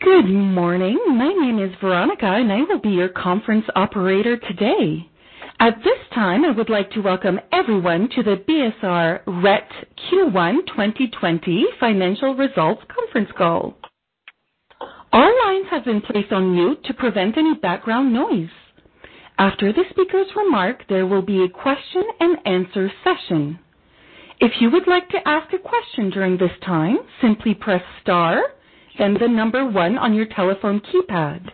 Good morning. My name is Veronica, and I will be your conference operator today. At this time, I would like to welcome everyone to the BSR REIT Q1 2020 financial results conference call. All lines have been placed on mute to prevent any background noise. After the speaker's remark, there will be a question and answer session. If you would like to ask a question during this time, simply press star and the number one on your telephone keypad.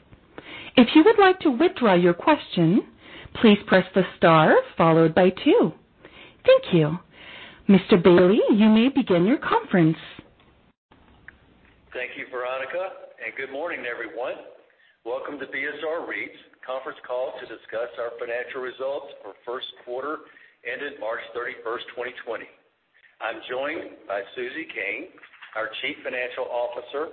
If you would like to withdraw your question, please press the star followed by two. Thank you. Mr. Bailey, you may begin your conference. Thank you, Veronica, and good morning, everyone. Welcome to BSR REIT's conference call to discuss our financial results for first quarter ended March 31st, 2020. I am joined by Susan Koehn, our Chief Financial Officer.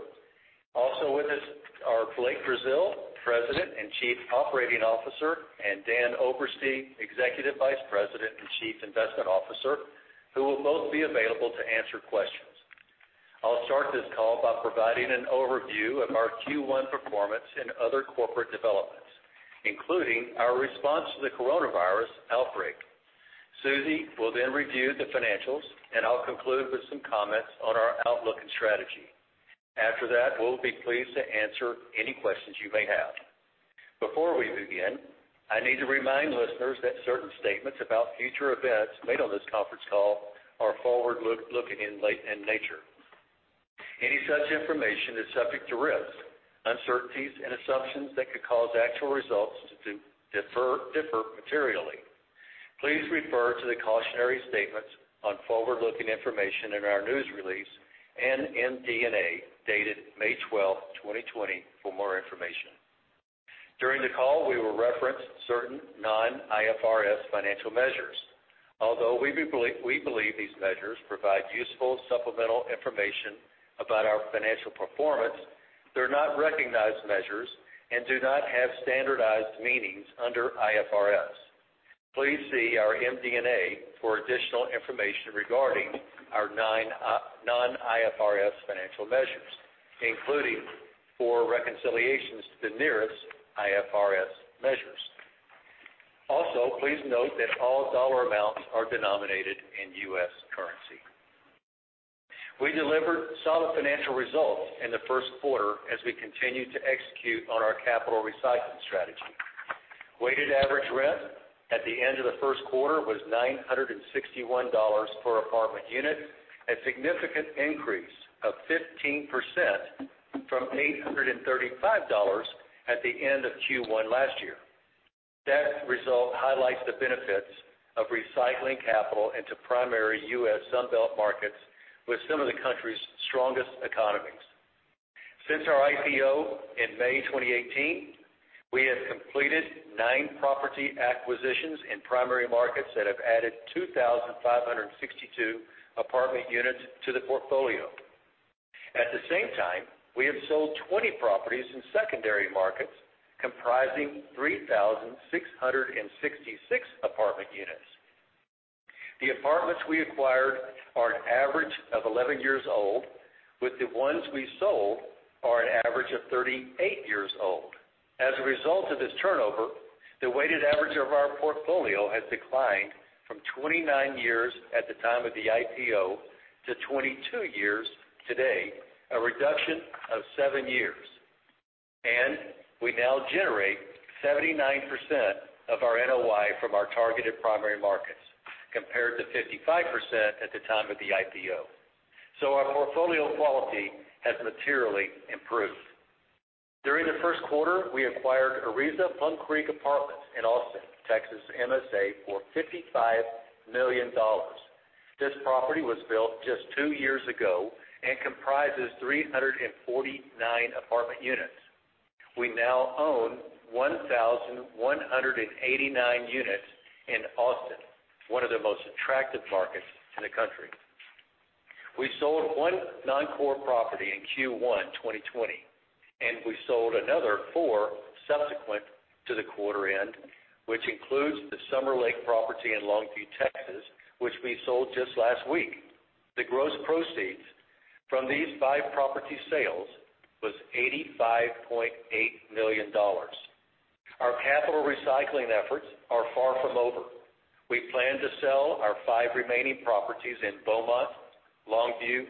Also with us are Blake Brazeal, President and Chief Operating Officer, and Dan Oberste, Executive Vice President and Chief Investment Officer, who will both be available to answer questions. I will start this call by providing an overview of our Q1 performance and other corporate developments, including our response to the coronavirus outbreak. Susan will then review the financials, and I will conclude with some comments on our outlook and strategy. After that, we will be pleased to answer any questions you may have. Before we begin, I need to remind listeners that certain statements about future events made on this conference call are forward-looking in nature. Any such information is subject to risks, uncertainties, and assumptions that could cause actual results to differ materially. Please refer to the cautionary statements on forward-looking information in our news release and MD&A dated May 12th, 2020, for more information. During the call, we will reference certain non-IFRS financial measures. Although we believe these measures provide useful supplemental information about our financial performance, they're not recognized measures and do not have standardized meanings under IFRS. Please see our MD&A for additional information regarding our non-IFRS financial measures, including four reconciliations to the nearest IFRS measures. Also, please note that all dollar amounts are denominated in U.S. currency. We delivered solid financial results in the first quarter as we continued to execute on our capital recycling strategy. Weighted average rent at the end of the first quarter was $961 per apartment unit, a significant increase of 15% from $835 at the end of Q1 last year. That result highlights the benefits of recycling capital into primary U.S. Sunbelt markets with some of the country's strongest economies. Since our IPO in May 2018, we have completed nine property acquisitions in primary markets that have added 2,562 apartment units to the portfolio. At the same time, we have sold 20 properties in secondary markets comprising 3,666 apartment units. The apartments we acquired are an average of 11 years old, with the ones we sold are an average of 38 years old. As a result of this turnover, the weighted average of our portfolio has declined from 29 years at the time of the IPO to 22 years today, a reduction of seven years. We now generate 79% of our NOI from our targeted primary markets, compared to 55% at the time of the IPO. Our portfolio quality has materially improved. During the first quarter, we acquired Ariza Plum Creek Apartments in Austin, Texas MSA for $55 million. This property was built just two years ago and comprises 349 apartment units. We now own 1,189 units in Austin, one of the most attractive markets in the country. We sold one non-core property in Q1 2020, and we sold another four subsequent to the quarter end, which includes the Summer Lake property in Longview, Texas, which we sold just last week. The gross proceeds from these five property sales was $85.8 million. Our capital recycling efforts are far from over. We plan to sell our five remaining properties in Beaumont, Longview,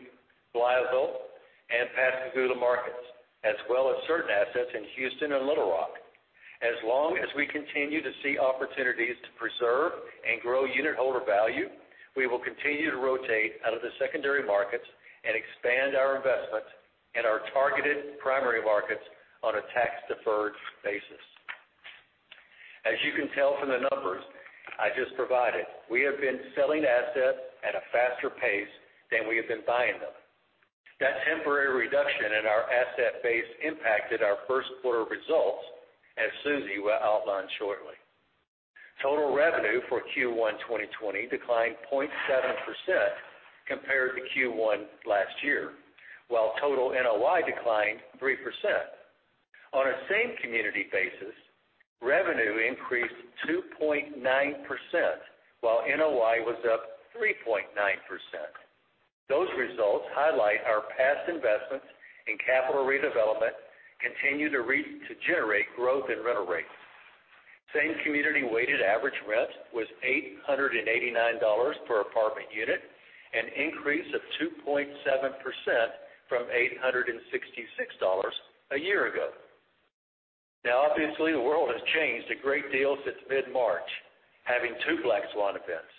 Blytheville, and Pascagoula markets, as well as certain assets in Houston and Little Rock. As long as we continue to see opportunities to preserve and grow unitholder value, we will continue to rotate out of the secondary markets and expand our investments in our targeted primary markets on a tax-deferred basis. As you can tell from the numbers I just provided, we have been selling assets at a faster pace than we have been buying them. That temporary reduction in our asset base impacted our first quarter results, as Susie will outline shortly. Total revenue for Q1 2020 declined 0.7% compared to Q1 last year, while total NOI declined 3%. On a same-community basis, revenue increased 2.9%, while NOI was up 3.9%. Those results highlight our past investments in capital redevelopment continue to generate growth in rental rates. Same-community weighted average rent was $889 per apartment unit, an increase of 2.7% from $866 a year ago. Obviously, the world has changed a great deal since mid-March, having two black swan events.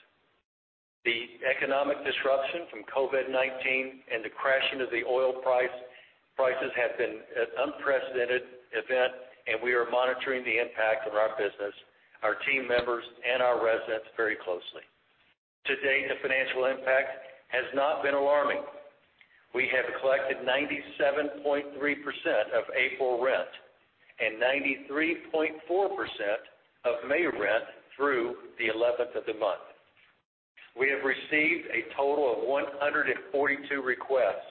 The economic disruption from COVID-19 and the crashing of the oil prices have been an unprecedented event, and we are monitoring the impact on our business, our team members, and our residents very closely. To date, the financial impact has not been alarming. We have collected 97.3% of April rent and 93.4% of May rent through the 11th of the month. We have received a total of 142 requests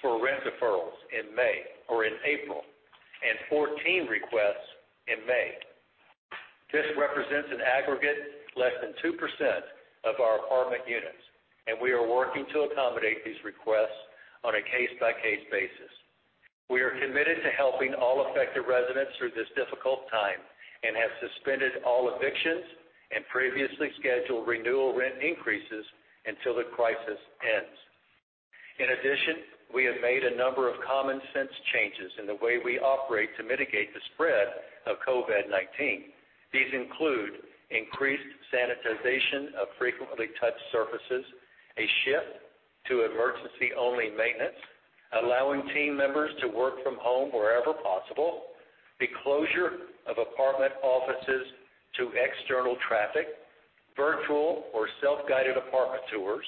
for rent deferrals in April and 14 requests in May. This represents an aggregate less than 2% of our apartment units, and we are working to accommodate these requests on a case-by-case basis. We are committed to helping all affected residents through this difficult time and have suspended all evictions and previously scheduled renewal rent increases until the crisis ends. In addition, we have made a number of common-sense changes in the way we operate to mitigate the spread of COVID-19. These include increased sanitization of frequently touched surfaces, a shift to emergency-only maintenance, allowing team members to work from home wherever possible, the closure of apartment offices to external traffic, virtual or self-guided apartment tours,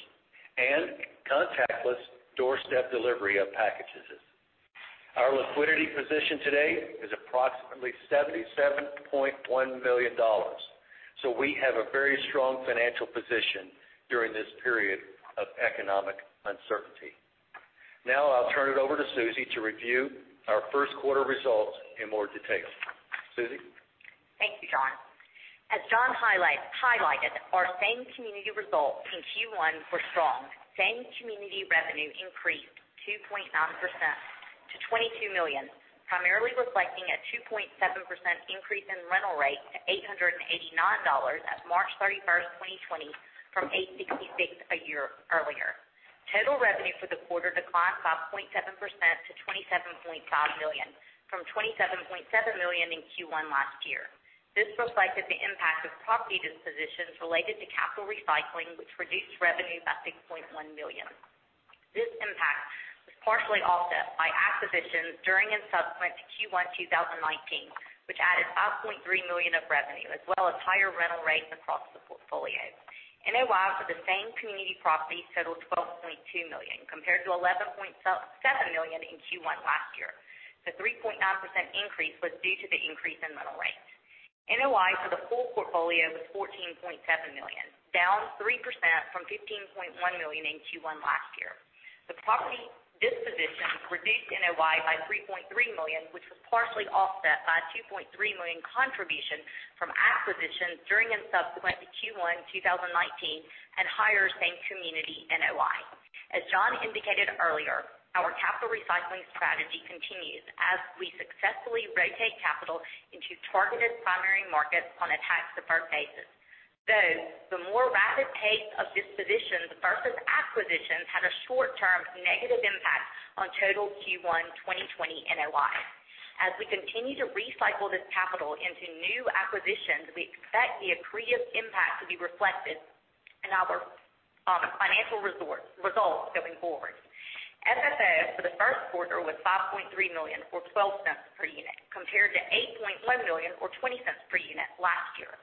and contactless doorstep delivery of packages. Our liquidity position today is approximately $77.1 million. We have a very strong financial position during this period of economic uncertainty. Now I'll turn it over to Susie to review our first quarter results in more detail. Susie? Thank you, John. As John highlighted, our same community results in Q1 were strong. Same-community revenue increased 2.9% to $22 million, primarily reflecting a 2.7% increase in rental rate to $889 as of March 31st, 2020, from $866 a year earlier. Total revenue for the quarter declined by 0.7% to $27.5 million from $27.7 million in Q1 last year. This reflected the impact of property dispositions related to capital recycling, which reduced revenue by $6.1 million. This impact was partially offset by acquisitions during and subsequent to Q1 2019, which added $5.3 million of revenue, as well as higher rental rates across the portfolio. NOI for the same community properties totaled $12.2 million, compared to $11.7 million in Q1 last year. The 3.9% increase was due to the increase in rental rates. NOI for the full portfolio was $14.7 million, down 3% from $15.1 million in Q1 last year. The property dispositions reduced NOI by $3.3 million, which was partially offset by a $2.3 million contribution from acquisitions during and subsequent to Q1 2019 and higher same-community NOI. As John indicated earlier, our capital recycling strategy continues as we successfully rotate capital into targeted primary markets on a tax-deferred basis. Though the more rapid pace of dispositions versus acquisitions had a short-term negative impact on total Q1 2020 NOI. As we continue to recycle this capital into new acquisitions, we expect the accretive impact to be reflected in our financial results going forward. FFO for the first quarter was $5.3 million, or $0.12 per unit, compared to $8.1 million or $0.20 per unit last year.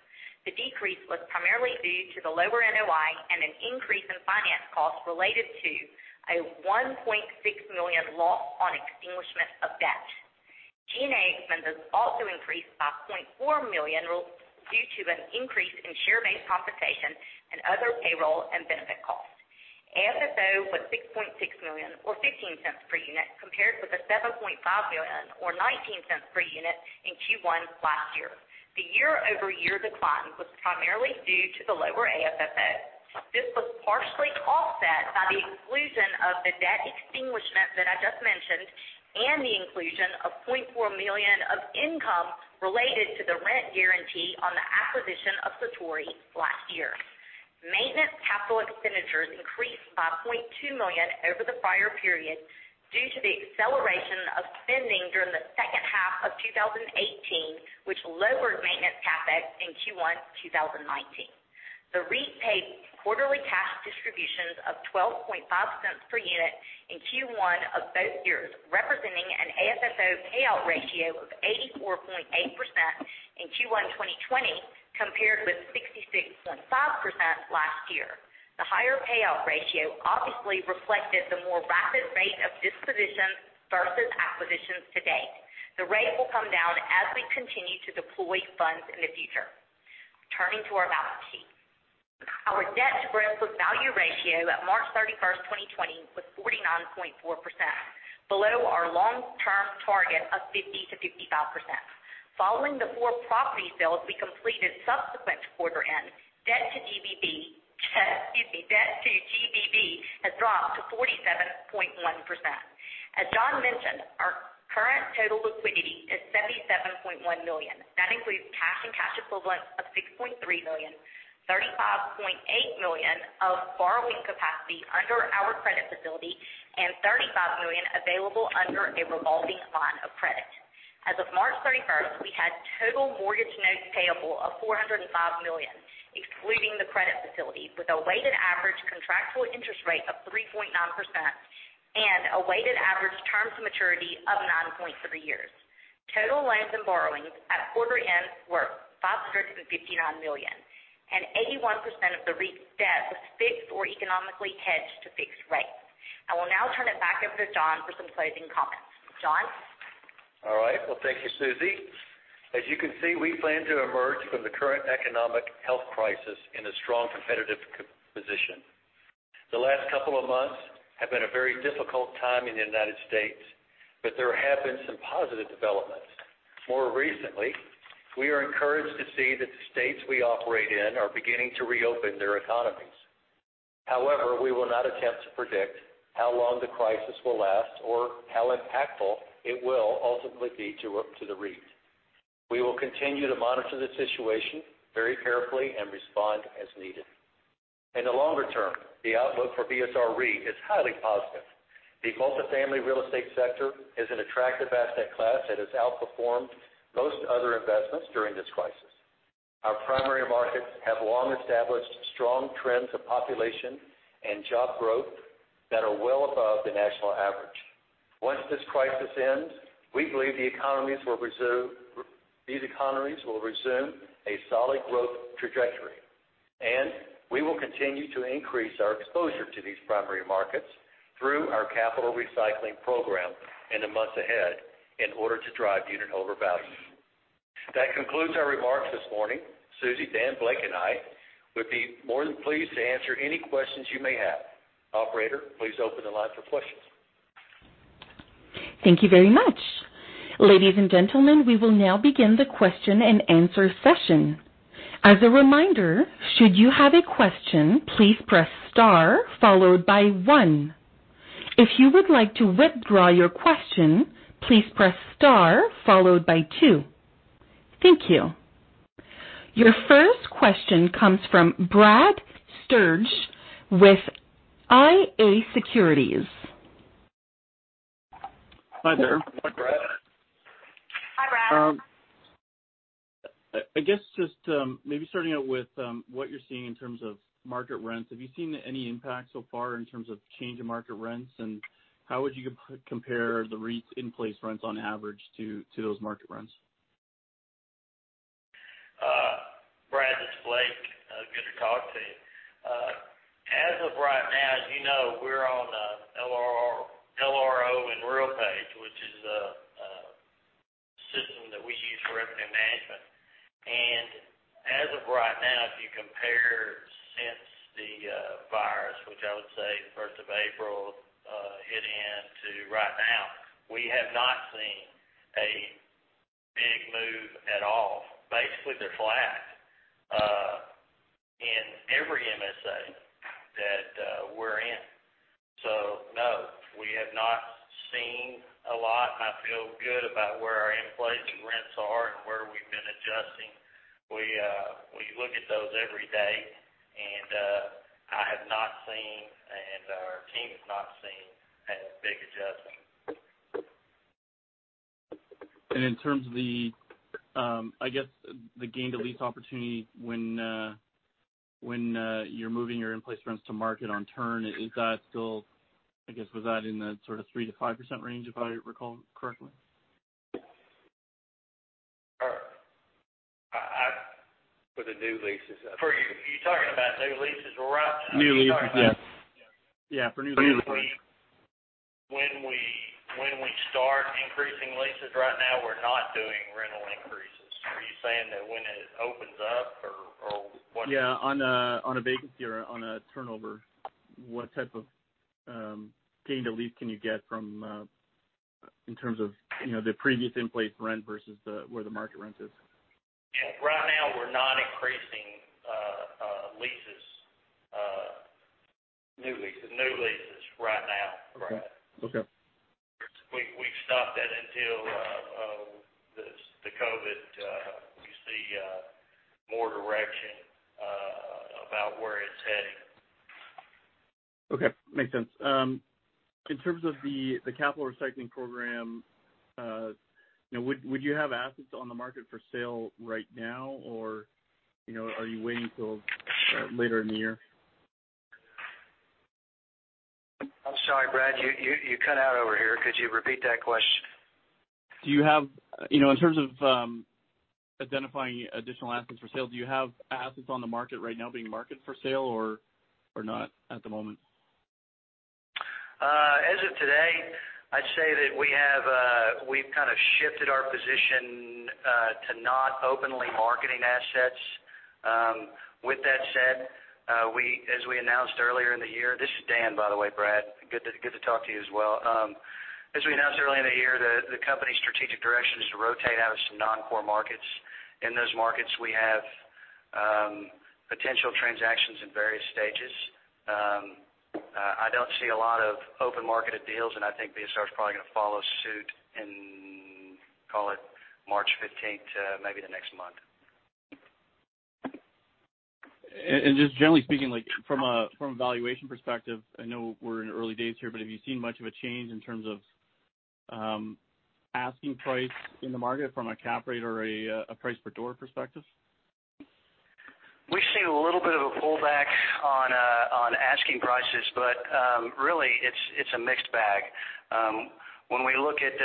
The decrease was primarily due to the lower NOI and an increase in finance costs related to a $1.6 million loss on extinguishment of debt. G&A expenses also increased by $0.4 million due to an increase in share-based compensation and other payroll and benefit costs. AFFO was $6.6 million, or $0.15 per unit, compared with $7.5 million or $0.19 per unit in Q1 last year. The YoY decline was primarily due to the lower AFFO. This was partially offset by the exclusion of the debt extinguishment that I just mentioned and the inclusion of $0.4 million of income related to the rent guarantee on the acquisition of Satori last year. Maintenance capital expenditures increased by $0.2 million over the prior period due to the acceleration of spending during the second half of 2018, which lowered maintenance CapEx in Q1 2019. The REIT paid quarterly cash distributions of $0.125 per unit in Q1 of both years, representing an AFFO payout ratio of 84.8% in Q1 2020 compared with 66.5% last year. The higher payout ratio obviously reflected the more rapid rate of dispositions versus acquisitions to date. The rate will come down as we continue to deploy funds in the future. Turning to our balance sheet. Our debt-to-book value ratio at March 31st, 2020 was 49.4%, below our long-term target of 50%-55%. Following the four property sales we completed subsequent to quarter end, debt to GBV has dropped to 47.1%. As John mentioned, our current total liquidity is $77.1 million. That includes cash and cash equivalents of $6.3 million, $35.8 million of borrowing capacity under our credit facility, and $35 million available under a revolving line of credit. As of March 31st, we had total mortgage notes payable of $405 million, excluding the credit facility, with a weighted average contractual interest rate of 3.9% and a weighted average term to maturity of 9.3 years. Total loans and borrowings at quarter end were $559 million. 81% of the REIT's debt was fixed or economically hedged to fixed rates. I will now turn it back over to John for some closing comments. John? All right. Well, thank you, Susie. As you can see, we plan to emerge from the current economic health crisis in a strong competitive position. The last couple of months have been a very difficult time in the U.S., but there have been some positive developments. More recently, we are encouraged to see that the states we operate in are beginning to reopen their economies. However, we will not attempt to predict how long the crisis will last or how impactful it will ultimately be to the REIT. We will continue to monitor the situation very carefully and respond as needed. In the longer term, the outlook for BSR REIT is highly positive. The multifamily real estate sector is an attractive asset class that has outperformed most other investments during this crisis. Our primary markets have long-established strong trends of population and job growth that are well above the national average. Once this crisis ends, we believe these economies will resume a solid growth trajectory, and we will continue to increase our exposure to these primary markets through our capital recycling program in the months ahead in order to drive unit holder value. That concludes our remarks this morning. Susie, Dan, Blake, and I would be more than pleased to answer any questions you may have. Operator, please open the line for questions. Thank you very much. Ladies and gentlemen, we will now begin the question-and-answer session. As a reminder, should you have a question, please press star followed by one. If you would like to withdraw your question, please press star followed by two. Thank you. Your first question comes from Brad Sturges with IA Securities. Hi there. Hi, Brad. Hi, Brad. I guess just maybe starting out with what you're seeing in terms of market rents. Have you seen any impact so far in terms of change in market rents, and how would you compare the REIT's in-place rents on average to those market rents? Brad, this is Blake. Good to talk to you. As of right now, as you know, we're on LRO in RealPage, which is a system that we use for revenue management. As of right now, if you compare since the virus, which I would say the 1st of April hit in to right now, we have not seen a big move at all. Basically, they're flat in every MSA that we're in. No, we have not seen a lot, and I feel good about where our in-place rents are and where we've been adjusting. We look at those every day, and I have not seen, and our team has not seen a big adjustment. In terms of the gain to lease opportunity when you're moving your in-place rents to market on turn, I guess, was that in the sort of 3%-5% range, if I recall correctly? For the new leases. You're talking about new leases, or are you talking about? New leases, yeah. Yeah, for new leases. When we start increasing leases. Right now, we're not doing rental increases. Are you saying that when it opens up or what? Yeah, on a vacancy or on a turnover, what type of gain to lease can you get in terms of the previous in-place rent versus where the market rent is? Right now, we're not increasing leases. New leases. New leases right now. Okay. We've stopped that until the COVID we see more direction about where it's heading. Okay. Makes sense. In terms of the capital recycling program, would you have assets on the market for sale right now, or are you waiting till later in the year? I'm sorry, Brad, you cut out over here. Could you repeat that question? In terms of identifying additional assets for sale, do you have assets on the market right now being marketed for sale or not at the moment? As of today, I'd say that we've kind of shifted our position to not openly marketing assets. With that said, as we announced earlier in the year. This is Dan, by the way, Brad. Good to talk to you as well. As we announced earlier in the year, the company's strategic direction is to rotate out of some non-core markets. In those markets, we have potential transactions in various stages. I don't see a lot of open-market deals, and I think BSR is probably going to follow suit in, call it, March 15th, maybe the next month. Just generally speaking, from a valuation perspective, I know we're in early days here, but have you seen much of a change in terms of asking price in the market from a cap rate or a price per door perspective? We've seen a little bit of a pullback on asking prices. Really, it's a mixed bag. When we look at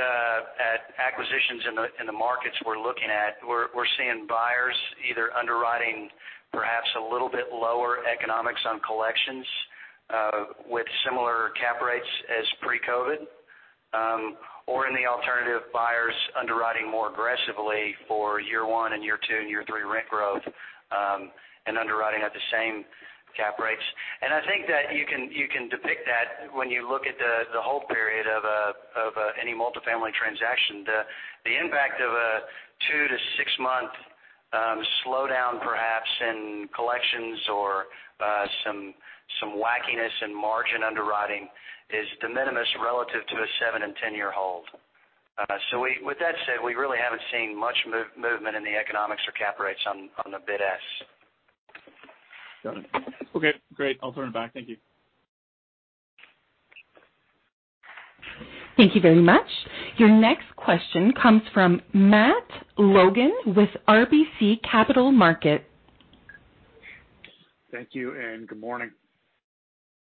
acquisitions in the markets we're looking at, we're seeing buyers either underwriting perhaps a little bit lower economics on collections with similar cap rates as pre-COVID, or in the alternative, buyers underwriting more aggressively for year one and year two and year three rent growth. Underwriting at the same cap rates. I think that you can depict that when you look at the hold period of any multifamily transaction. The impact of a two to six-month slowdown, perhaps, in collections or some wackiness in margin underwriting is de minimis relative to a seven and 10-year hold. With that said, we really haven't seen much movement in the economics or cap rates on the bid asks. Got it. Okay, great. I'll turn it back. Thank you. Thank you very much. Your next question comes from Matt Logan with RBC Capital Markets. Thank you, and good morning.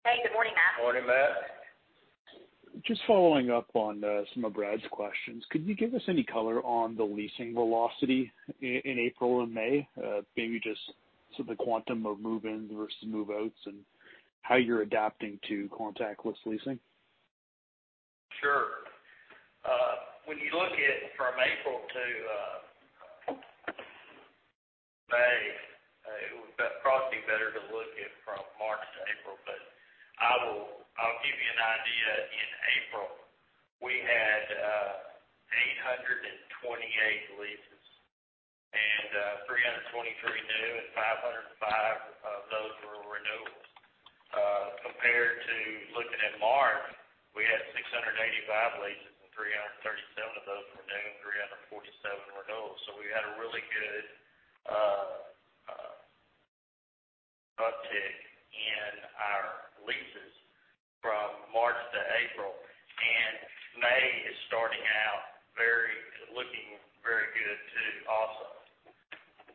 Hey, good morning, Matt. Morning, Matt. Just following up on some of Brad's questions, could you give us any color on the leasing velocity in April and May? Maybe just sort of the quantum of move-ins versus move-outs and how you're adapting to contactless leasing. Sure. When you look at from April to May, it would probably be better to look at from March to April, but I'll give you an idea. In April, we had 828 leases, and 323 new and 505 of those were renewals. Compared to looking at March, we had 685 leases, and 337 of those were new, and 347 renewals. We had a really good uptick in our leases from March to April, and May is starting out looking very good too, also.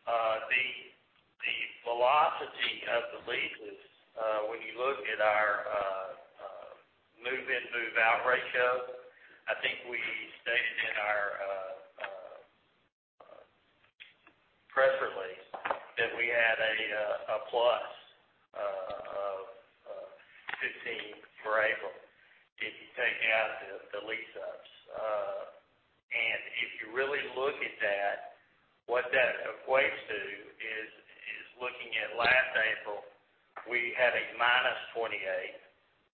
The velocity of the leases, when you look at our move-in, move-out ratio, I think we stated in our press release that we had a plus of 15 for April if you take out the lease-ups. If you really look at that, what that equates to is looking at last April, we had a -28%,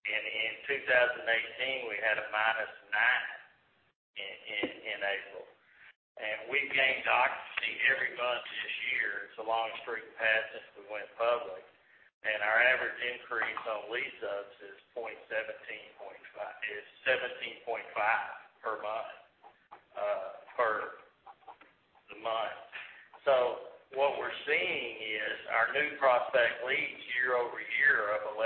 and in 2018, we had a -9% in April. We've gained occupancy every month this year. It's the longest streak we've had since we went public, and our average increase on lease-ups is 17.5% per month. What we're seeing is our new prospect leads YoY are up 11%.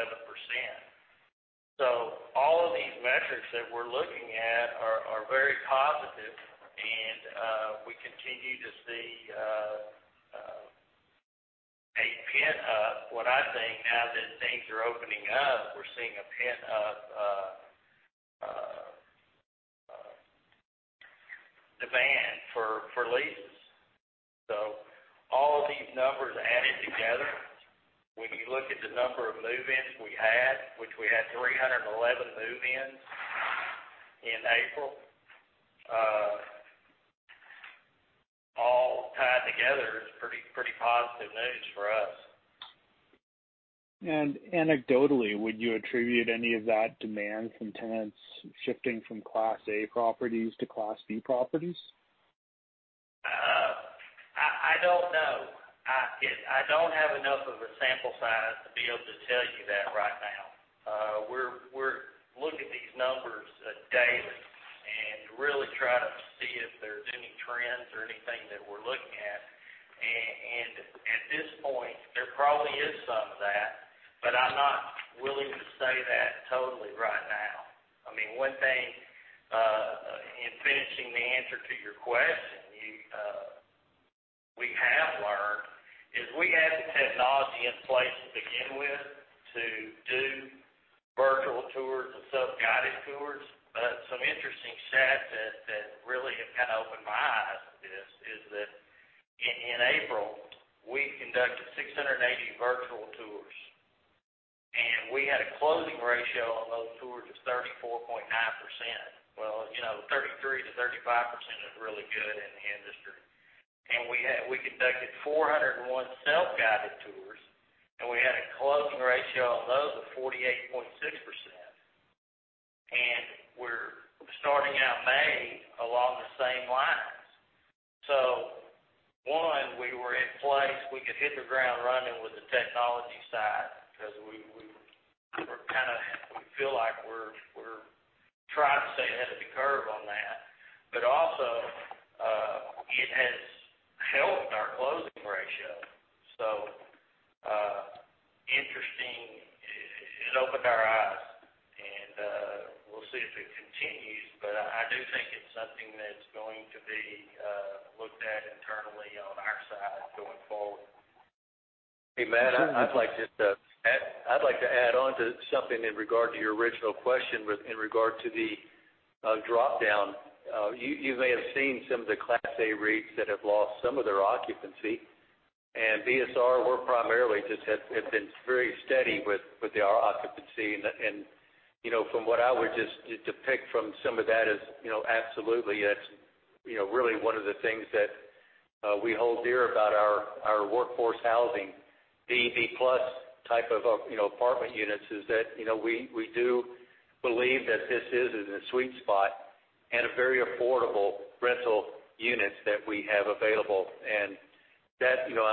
All of these metrics that we're looking at are very positive, and we continue to see a pent-up, what I think now that things are opening up, we're seeing a pent-up demand for leases. All these numbers added together, when you look at the number of move-ins we had, which we had 311 move-ins in April all tied together is pretty positive news for us. Anecdotally, would you attribute any of that demand from tenants shifting from Class A properties to Class B properties? I don't know. I don't have enough of a sample size to be able to tell you that right now. We're looking at these numbers daily and really try to see if there's any trends or anything that we're looking at. At this point, there probably is some of that, but I'm not willing to say that totally right now. One thing, in finishing the answer to your question, we have learned is we had the technology in place to begin with to do virtual tours and self-guided tours. Some interesting stats that really have kind of opened my eyes is that in April, we conducted 680 virtual tours, and we had a closing ratio on those tours of 34.9%. 33%-35% is really good in the industry. We conducted 401 self-guided tours, and we had a closing ratio on those of 48.6%. We're starting out May along the same lines. One, we were in place. We could hit the ground running with the technology side because we feel like we're trying to stay ahead of the curve on that. Also, it has helped our closing ratio. Interesting. It opened our eyes, and we'll see if it continues. I do think it's something that's going to be looked at internally on our side going forward. Hey, Matt, I'd like to add on to something in regard to your original question in regard to the drop-down. You may have seen some of the Class A REITs that have lost some of their occupancy, and BSR, we're primarily just have been very steady with our occupancy. From what I would just depict from some of that is, absolutely, that's really one of the things that we hold dear about our workforce housing, the B-plus type of apartment units, is that we do believe that this is in a sweet spot and a very affordable rental units that we have available.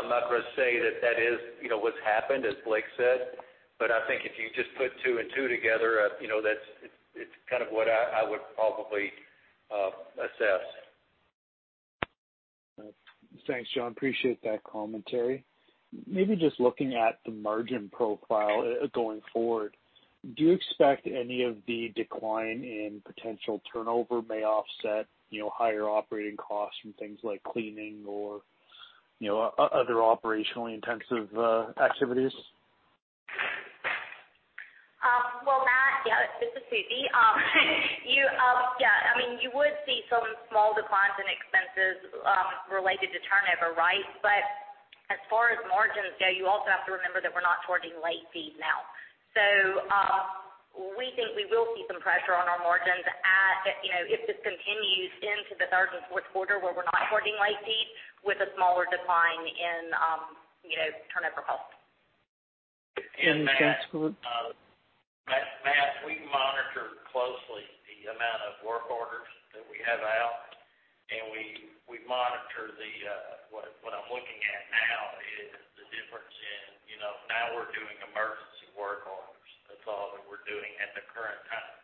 I'm not going to say that is what's happened, as Blake said, but I think if you just put two and two together, it's what I would probably assess. Thanks, John. Appreciate that commentary. Maybe just looking at the margin profile going forward, do you expect any of the decline in potential turnover may offset higher operating costs from things like cleaning or other operationally intensive activities? Well, Matt, yeah. This is Susie. Yeah. You would see some small declines in expenses related to turnover, right? As far as margins go, you also have to remember that we're not charging late fees now. We think we will see some pressure on our margins if this continues into the third and fourth quarter, where we're not charging late fees with a smaller decline in turnover costs. That's good. Matt, we monitor closely the amount of work orders that we have out. What I'm looking at now is the difference in now we're doing emergency work orders. That's all that we're doing at the current time.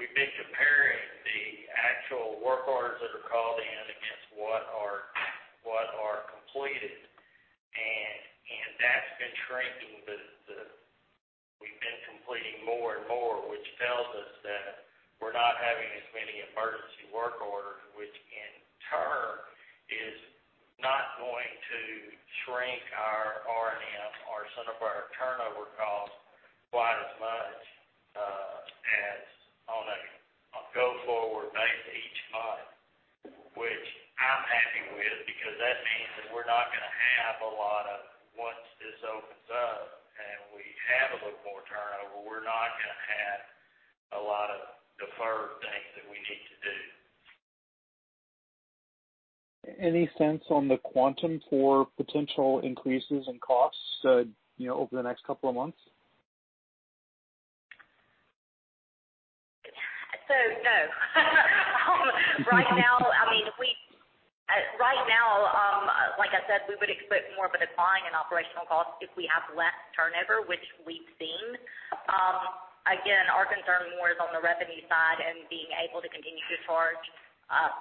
We've been comparing the actual work orders that are called in against what are completed. That's been shrinking. We've been completing more and more, which tells us that we're not having as many emergency work orders, which in turn is not going to shrink our R&M or some of our turnover costs quite as much as on a go-forward basis each month, which I'm happy with because that means that we're not going to have a lot of, once this opens up, and we have a little more turnover, we're not going to have a lot of deferred things that we need to do. Any sense on the quantum for potential increases in costs over the next couple of months? No. Right now, like I said, we would expect more of a decline in operational costs if we have less turnover, which we've seen. Again, our concern more is on the revenue side and being able to continue to charge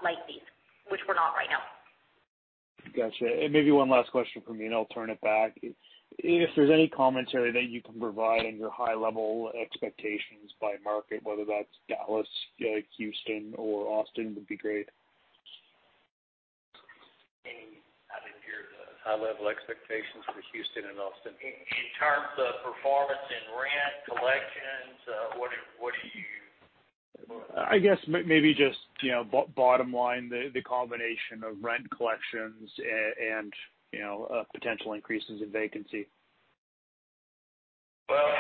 late fees, which we're not right now. Got you. Maybe one last question from me, and I'll turn it back. If there's any commentary that you can provide on your high-level expectations by market, whether that's Dallas, Houston, or Austin, would be great. Any out of your high-level expectations for Houston and Austin? In terms of performance in rent collections, what do you? I guess maybe just bottom line, the combination of rent collections and potential increases in vacancy. Well,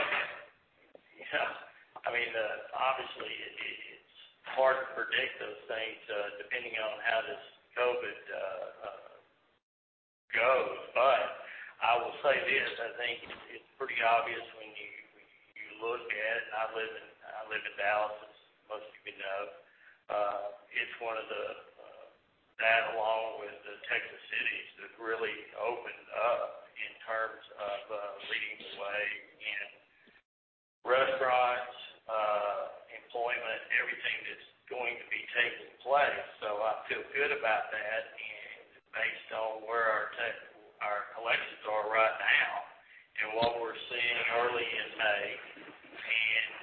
obviously it's hard to predict those things, depending on how this COVID-19 goes. I will say this, I think it's pretty obvious when you look at I live in Dallas, as most of you know. That along with the Texas cities that really opened up in terms of leading the way in restaurants, employment, everything that's going to be taking place. I feel good about that. Based on where our collections are right now and what we're seeing early in May and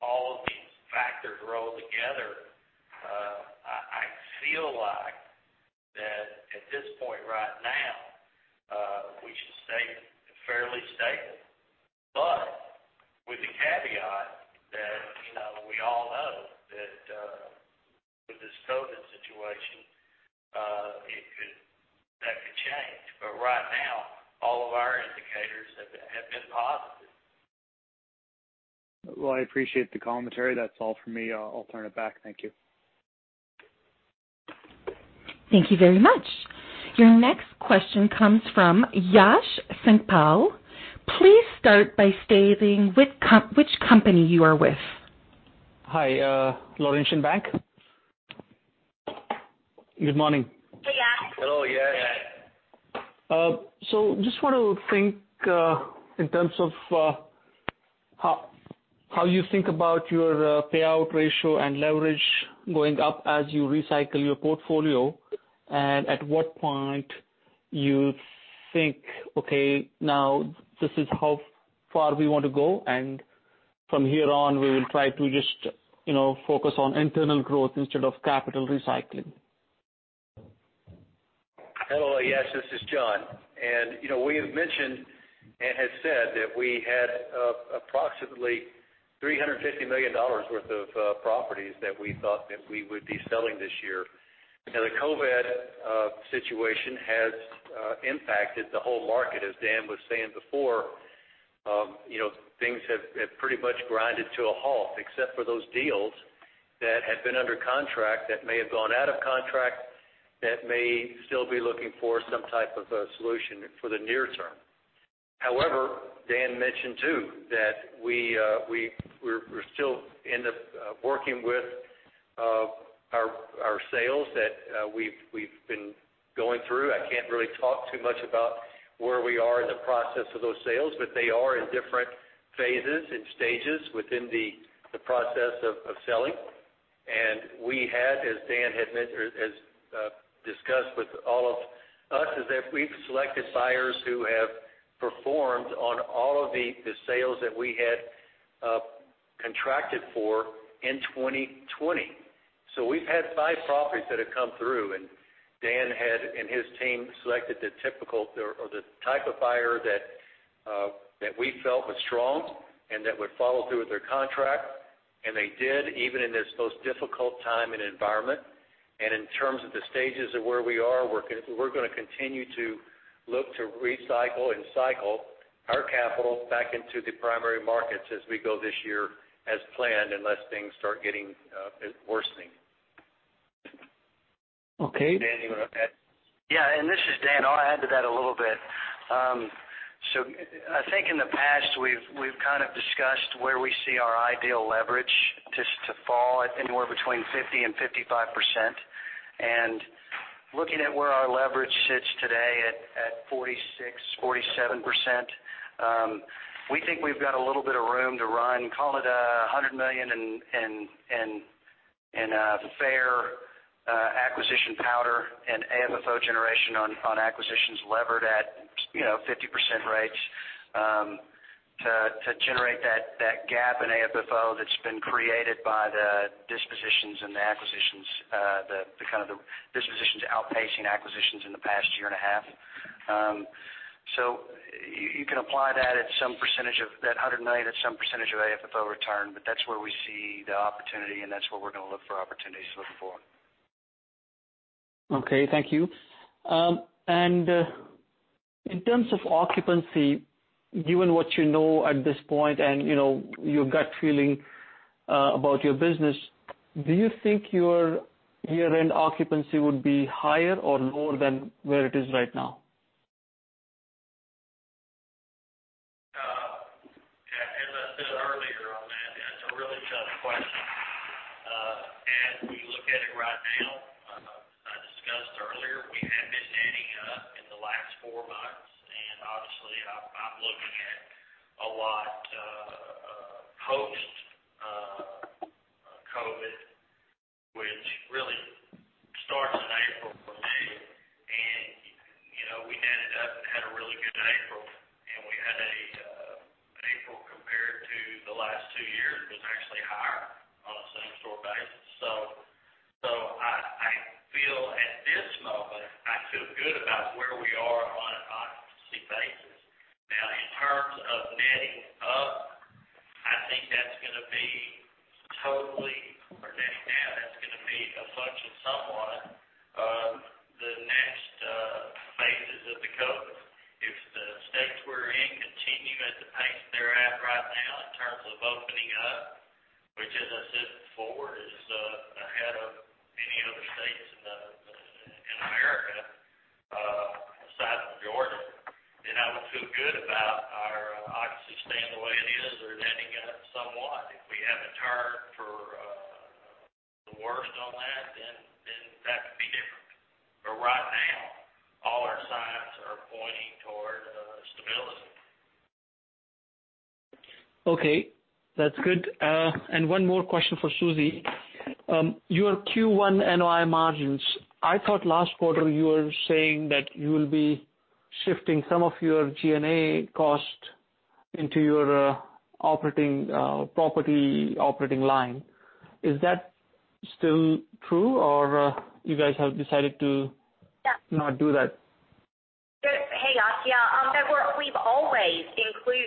all of these factors rolled together, I feel like that at this point right now, we should stay fairly stable. With the caveat that we all know that with this COVID-19 situation, that could change. Right now, all of our indicators have been positive. Well, I appreciate the commentary. That is all from me. I will turn it back. Thank you. Thank you very much. Your next question comes from Yash Sankpal. Please start by stating which company you are with. Hi, Laurentian Bank. Good morning. Hey, Yash. Hello, Yash. Just want to think in terms of how you think about your payout ratio and leverage going up as you recycle your portfolio, and at what point you think, "Okay, now this is how far we want to go, and from here on, we will try to just focus on internal growth instead of capital recycling.'' Hello, Yash, this is John. We have mentioned and have said that we had approximately $350 million worth of properties that we thought that we would be selling this year. The COVID situation has impacted the whole market, as Dan was saying before. Things have pretty much grinded to a halt except for those deals that had been under contract, that may have gone out of contract, that may still be looking for some type of a solution for the near term. However, Dan mentioned, too, that we're still in the working with our sales that we've been going through. I can't really talk too much about where we are in the process of those sales, but they are in different phases and stages within the process of selling. We had, as Dan has discussed with all of us, is that we've selected buyers who have performed on all of the sales that we had contracted for in 2020. We've had five properties that have come through, and Dan had, and his team, selected the type of buyer that we felt was strong, and that would follow through with their contract. They did, even in this most difficult time and environment. In terms of the stages of where we are, we're going to continue to look to recycle and cycle our capital back into the primary markets as we go this year as planned, unless things start worsening. Okay. Dan, you want to add? Yeah, this is Dan. I'll add to that a little bit. I think in the past, we've kind of discussed where we see our ideal leverage to fall at anywhere between 50% and 55%. Looking at where our leverage sits today at 46%, 47%, we think we've got a little bit of room to run, call it $100 million in fair acquisition powder and AFFO generation on acquisitions levered at 50% rates to generate that gap in AFFO that's been created by the dispositions and the acquisitions, the kind of the dispositions outpacing acquisitions in the past year and a half. You can apply that at some percentage of that $100 million at some percentage of AFFO return, that's where we see the opportunity, that's where we're going to look for opportunities looking forward. Okay, thank you. In terms of occupancy, given what you know at this point and your gut feeling about your business, do you think your year-end occupancy would be higher or lower than where it is right now? As I said earlier on that's a really tough question. As we look at it right now, I discussed earlier, we have been netting up in the last four months, obviously, I'm looking at a lot post-COVID, which really starts in April for me. We ended up and had a really good April,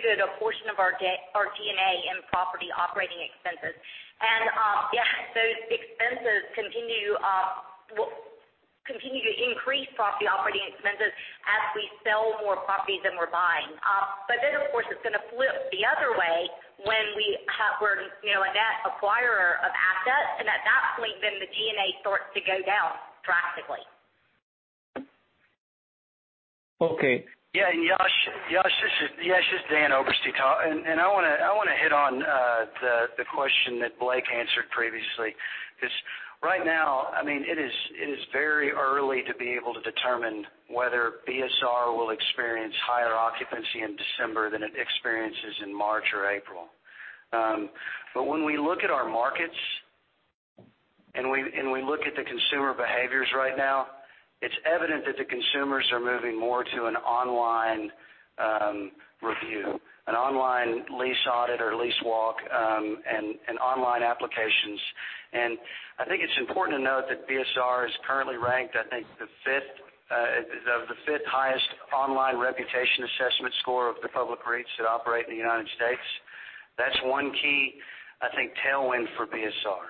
Hey, Yash. Yeah, we've always included a portion of our G&A in property operating expenses. Yeah, those expenses continue to increase property operating expenses as we sell more properties than we're buying. Of course, it's going to flip the other way when we're a net acquirer of assets, and at that point, then the G&A starts to go down drastically. Okay. Yash. Yash, this is Dan Oberste talking. I want to hit on the question that Blake answered previously, because right now, it is very early to be able to determine whether BSR will experience higher occupancy in December than it experiences in March or April. When we look at our markets, and we look at the consumer behaviors right now, it's evident that the consumers are moving more to an online review, an online lease audit or lease walk, and online applications. I think it's important to note that BSR is currently ranked, I think the fifth highest online reputation assessment score of the public REITs that operate in the U.S. That's one key, I think, tailwind for BSR.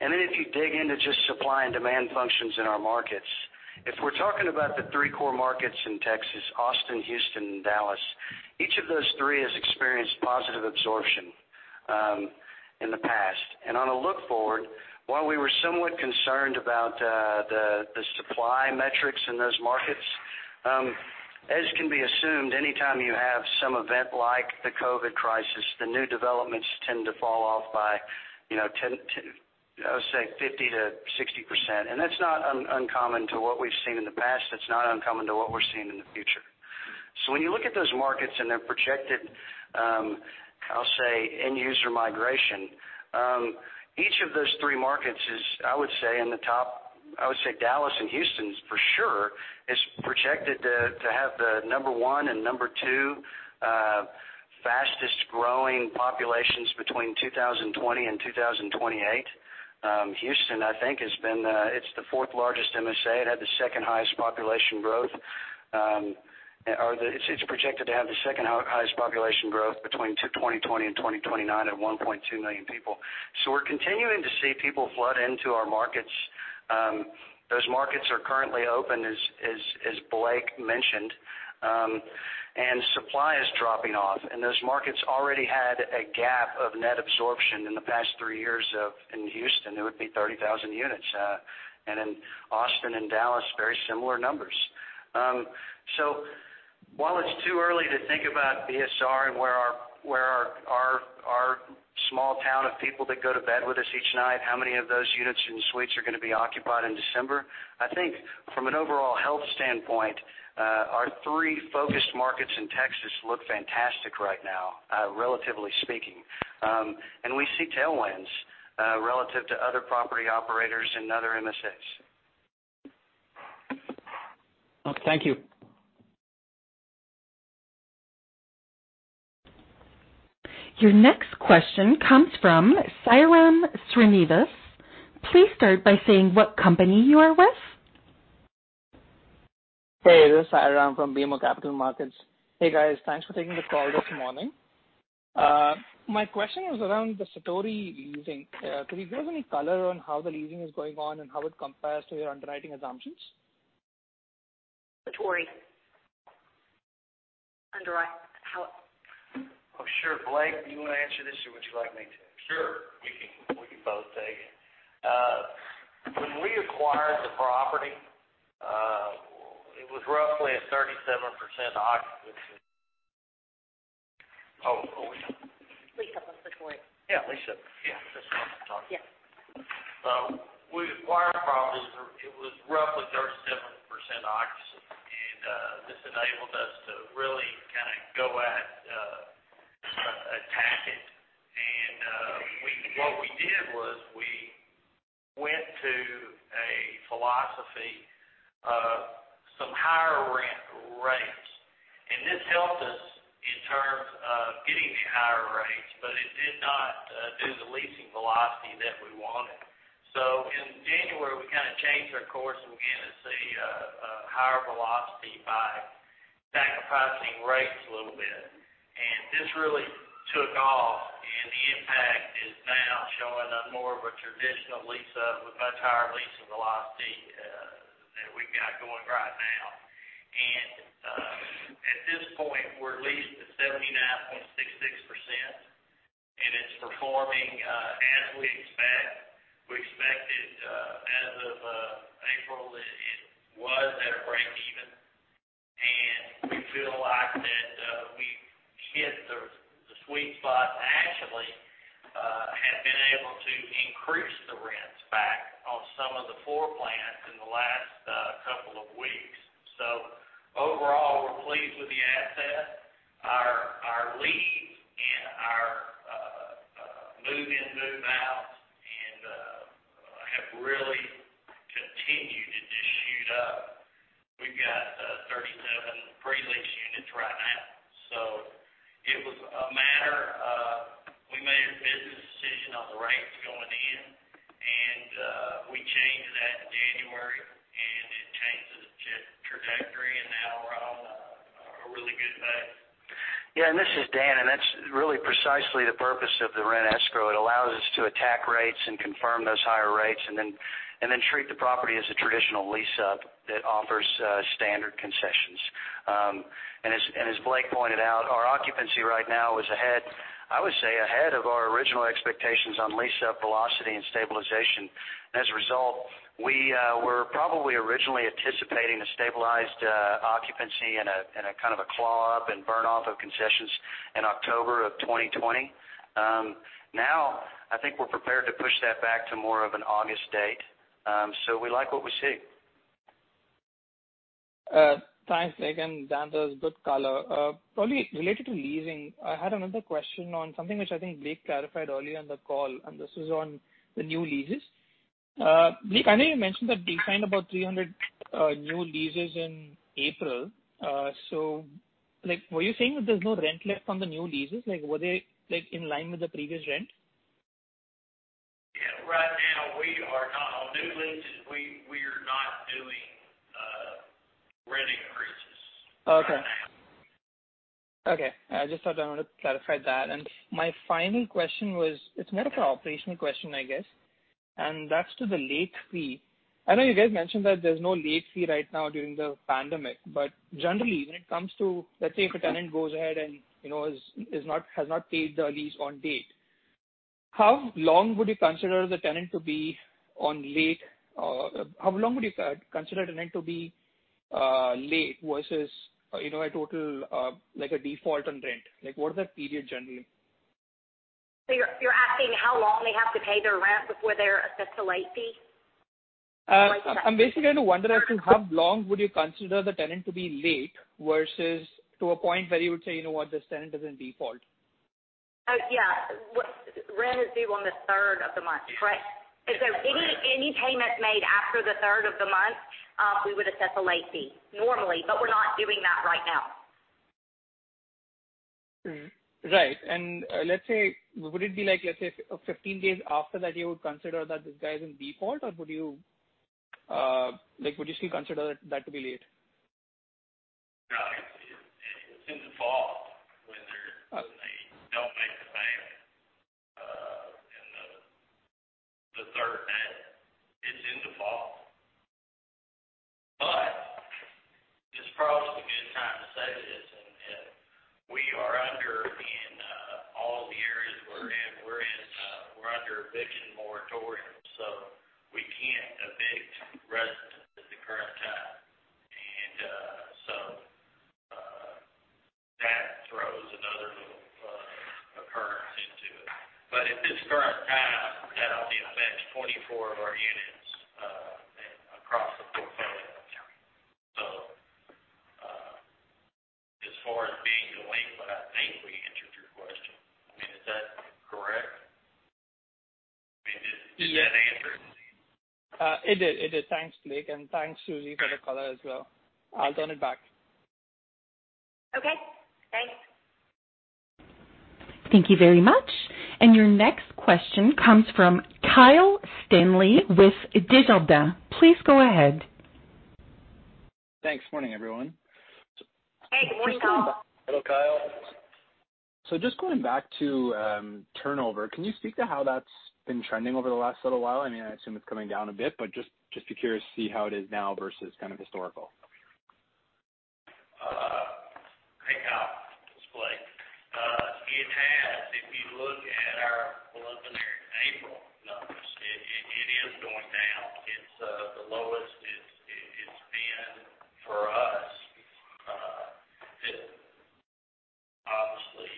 If you dig into just supply and demand functions in our markets, if we're talking about the three core markets in Texas, Austin, Houston, and Dallas, each of those three has experienced positive absorption in the past. On a look forward, while we were somewhat concerned about the supply metrics in those markets, as can be assumed, anytime you have some event like the COVID crisis, the new developments tend to fall off by, I would say 50%-60%. That's not uncommon to what we've seen in the past. That's not uncommon to what we're seeing in the future. When you look at those markets and their projected, I'll say, end-user migration, each of those three markets is, I would say, in the top I would say Dallas and Houston, for sure, is projected to have the number one and number two fastest-growing populations between 2020 and 2028. Houston, I think it's the fourth largest MSA. It had the second highest population growth, or it's projected to have the second highest population growth between 2020 and 2029 at 1.2 million people. We're continuing to see people flood into our markets. Those markets are currently open, as Blake mentioned, and supply is dropping off. Those markets already had a gap of net absorption in the past three years of In Houston, it would be 30,000 units. In Austin and Dallas, very similar numbers. While it's too early to think about BSR and where our small town of people that go to bed with us each night, how many of those units and suites are going to be occupied in December, I think from an overall health standpoint, our three focused markets in Texas look fantastic right now, relatively speaking. We see tailwinds relative to other property operators in other MSAs. Okay. Thank you. Your next question comes from Sairam Srinivas. Please start by saying what company you are with. Hey, this is Sairam from BMO Capital Markets. Hey, guys. Thanks for taking the call this morning. My question was around the Satori leasing. Can you give any color on how the leasing is going on and how it compares to your underwriting assumptions? Satori. Underwriting how Oh, sure. Blake, do you want to answer this, or would you like me to? Sure. We can both take it. When we acquired the property, it was roughly at 37% occupancy. Lease up on Satori. Yeah, lease up. Yeah. That's the one I'm talking. Yeah. When we acquired the properties, it was roughly 37% occupancy. This enabled us to really kind of attack it. What we did was we went to a philosophy of some higher rent rates. This helped us in terms of getting the higher rates. It did not do the leasing velocity that we wanted. In January, we kind of changed our course and began to see a higher velocity by sacrificing rates a little bit. This really took off. The impact is now showing up more of a traditional lease up with much higher leasing velocity that we've got going right now. At this point, we're leased at 79.66%. It's performing as we expect. We expected as of April that it was at a breakeven, and we feel like that we've hit the sweet spot and actually have been able to increase the rents back on some of the floor plans in the last couple of weeks. Overall, we're pleased with the asset. Our leads and our move-in, move-outs have really continued to just shoot up. We've got 37 pre-reach now. It was a matter of, we made a business decision on the rates going in, and we changed that in January, and it changes the trajectory, and now we're on a really good pace. Yeah, this is Dan, that's really precisely the purpose of the rent escrow. It allows us to attack rates and confirm those higher rates, and then treat the property as a traditional lease-up that offers standard concessions. As Blake pointed out, our occupancy right now is ahead, I would say, ahead of our original expectations on lease-up velocity and stabilization. As a result, we were probably originally anticipating a stabilized occupancy and a kind of a claw up and burn off of concessions in October of 2020. Now, I think we're prepared to push that back to more of an August date. We like what we see. Thanks, Blake, and Dan. That was good color. Probably related to leasing. I had another question on something which I think Blake clarified earlier on the call, and this is on the new leases. Blake, I know you mentioned that they signed about 300 new leases in April. Blake, were you saying that there's no rent left on the new leases? Were they in line with the previous rent? Yeah. Right now, on new leases, we are not doing rent increases right now. Okay. I just thought I wanted to clarify that. My final question was it's more of an operational question, I guess, and that's to the late fee. I know you guys mentioned that there's no late fee right now during the pandemic. Generally, when it comes to, let's say, if a tenant goes ahead and has not paid the lease on date, how long would you consider the tenant to be on late? How long would you consider a tenant to be late versus a total default on rent? What is that period generally? You're asking how long they have to pay their rent before they're assessed a late fee? I'm basically wondering as to how long would you consider the tenant to be late versus to a point where you would say, "You know what? This tenant is in default?'' Yeah. Rent is due on the third of the month, correct? Right. Any payments made after the third of the month, we would assess a late fee normally, but we're not doing that right now. Right. Let's say, would it be like, let's say, 15 days after that you would consider that this guy is in default? Would you still consider that to be late? No, it's in default when they don't make the payment on the third day. It's in default. This is probably a good time to say this, we are under, in all the areas we're in, we're under eviction moratorium, so we can't evict residents at the current time. That throws another little occurrence into it. At this current time, that only affects 24 of our units across the portfolio. As far as being late, but I think we answered your question. I mean, is that correct? I mean, did that answer it? It did. Thanks, Blake, and thanks, Susie, for the color as well. I'll turn it back. Okay. Thanks. Thank you very much. Your next question comes from Kyle Stanley with Desjardins. Please go ahead. Thanks. Morning, everyone. Hey. Morning, Kyle. Hello, Kyle. Just going back to turnover, can you speak to how that's been trending over the last little while? I assume it's coming down a bit, but just curious to see how it is now versus kind of historical. Hey, Kyle. It's Blake. It has, if you look at our preliminary April numbers, it is going down. It's the lowest it's been for us, obviously,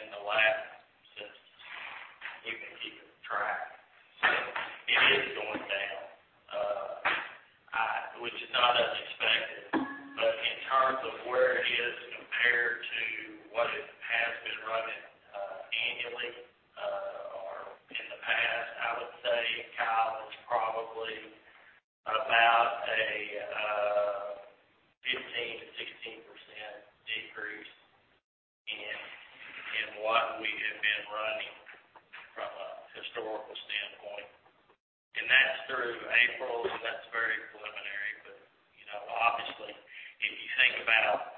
in the last since we've been keeping track. It is going down, which is not unexpected. In terms of where it is compared to what it has been running annually or in the past, I would say, Kyle, it's probably about a 15%-16% decrease in what we have been running from a historical standpoint. That's through April. That's very preliminary. Obviously, if you think about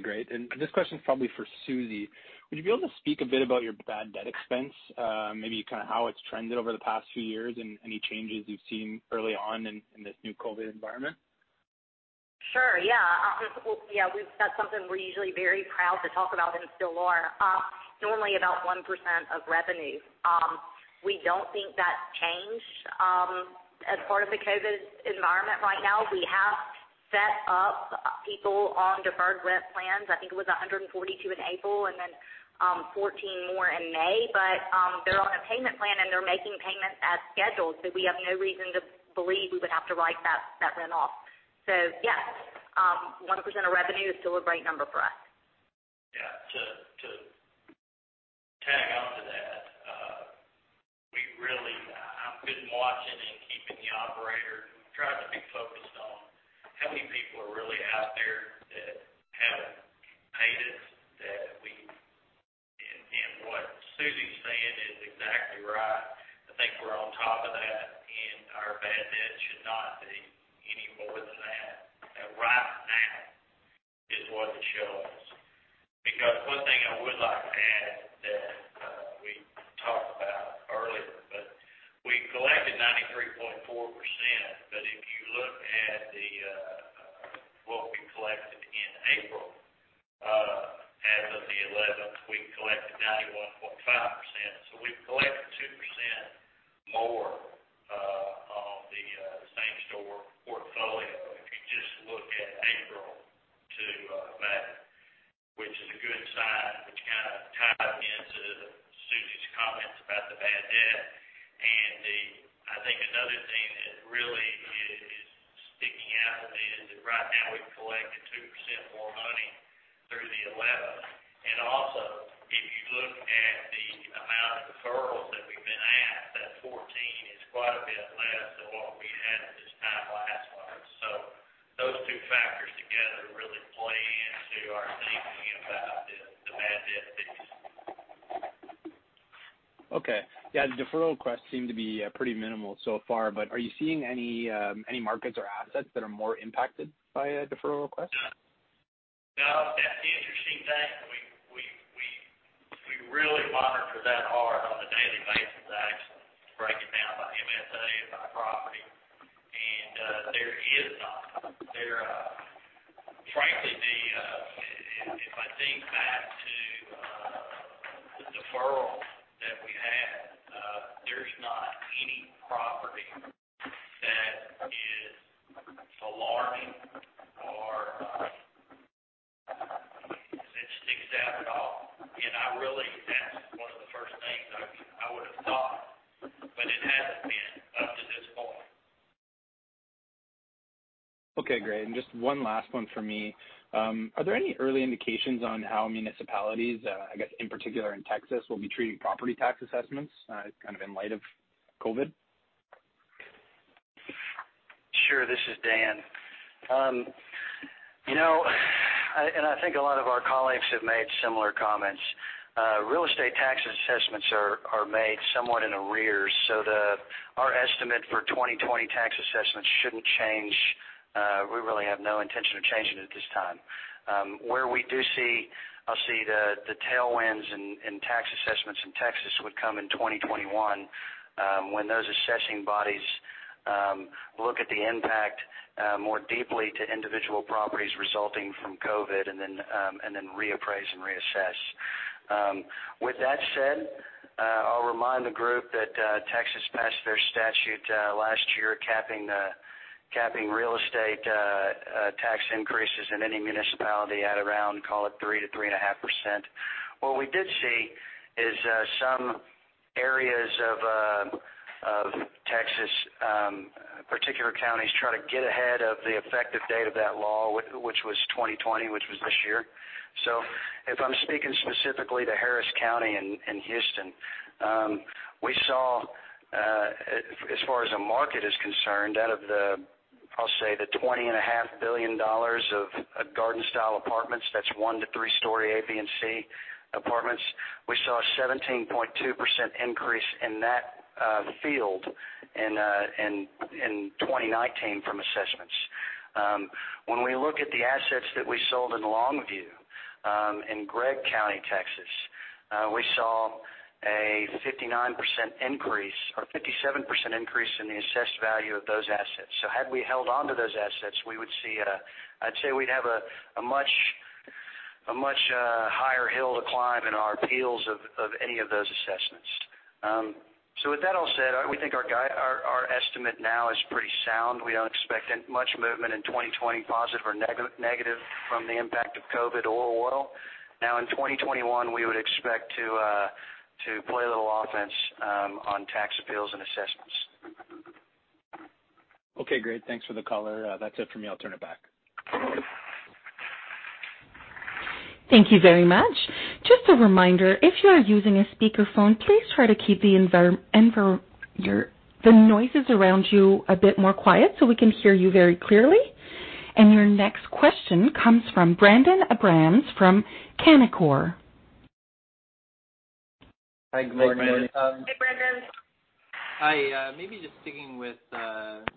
what I said to begin with in comparing April to March, we signed 505 renewals in April compared to 347 renewals in March. Our occupancy is staying right on top of March, April, and May is heading in the same direction. Okay, great. This question's probably for Susie. Would you be able to speak a bit about your bad debt expense, maybe kind of how it's trended over the past few years and any changes you've seen early on in this new COVID-19 environment? Sure. Yeah. That's something we're usually very proud to talk about, and still are. Normally about 1% of revenue. We don't think that's changed as part of the COVID-19 environment right now. We set up people on deferred rent plans. I think it was 142 in April and then 14 more in May. They're on a payment plan, and they're making payments as scheduled, so we have no reason to believe we would have to write that rent off. Yes, 1% of revenue is still a great number for us. Yeah. To tag on to that, I've been watching and keeping trying to be focused on how many people are really out there that haven't paid us. What Susie's saying is exactly right. I think we're on top of that, and our bad debt should not be any more than that right now is what it shows. One thing I would like to add that we talked about earlier, but we collected 93.4%, but if you look at what we collected in April, as of the 11th, we collected 91.5%. We've collected 2% more on the same-store portfolio if you just look at April to May, which is a good sign, which kind of ties into Susie's comments about the bad debt. I think another thing that really is sticking out is that right now we've collected 2% more money through the 11th. Also, if you look at the amount of deferrals that we've been asked, that 14 is quite a bit less than what we had at this time last month. Those two factors together really play into our thinking about the bad debt picture. Okay. Yeah, the deferral requests seem to be pretty minimal so far. Are you seeing any markets or assets that are more impacted by a deferral request? No, that's the interesting thing. We really monitor that hard on a daily basis, actually, break it down by MSA, by property. There is none. Frankly, if I think back to the deferrals that we had, there's not any property that is alarming or that sticks out at all. Really, that's one of the first things I would've thought, but it hasn't been up to this point. Okay, great. Just one last one from me. Are there any early indications on how municipalities, I guess, in particular in Texas, will be treating property tax assessments kind of in light of COVID-19? Sure. This is Dan. I think a lot of our colleagues have made similar comments. Real estate tax assessments are made somewhat in arrears. Our estimate for 2020 tax assessments shouldn't change. We really have no intention of changing it at this time. Where we do see the tailwinds in tax assessments in Texas would come in 2021, when those assessing bodies look at the impact more deeply to individual properties resulting from COVID, and then reappraise and reassess. With that said, I'll remind the group that Texas passed their statute last year capping real estate tax increases in any municipality at around, call it 3%-3.5%. What we did see is some areas of Texas, particular counties, try to get ahead of the effective date of that law, which was 2020, which was this year. If I'm speaking specifically to Harris County in Houston, we saw, as far as the market is concerned, out of the, I'll say the $20.5 billion of garden-style apartments, that's one to three story A, B, and C apartments, we saw a 17.2% increase in that field in 2019 from assessments. When we look at the assets that we sold in Longview, in Gregg County, Texas, we saw a 59% increase or 57% increase in the assessed value of those assets. Had we held onto those assets, I'd say we'd have a much higher hill to climb in our appeals of any of those assessments. With that all said, we think our estimate now is pretty sound. We don't expect much movement in 2020, positive or negative from the impact of COVID oil well. Now in 2021, we would expect to play a little offense on tax appeals and assessments. Okay, great. Thanks for the color. That's it for me. I'll turn it back. Thank you very much. Just a reminder, if you are using a speakerphone, please try to keep the noises around you a bit more quiet so we can hear you very clearly. Your next question comes from Brendon Abrams from Canaccord Genuity. Hi, good morning. Hi, Brendon. Hi. Maybe just sticking with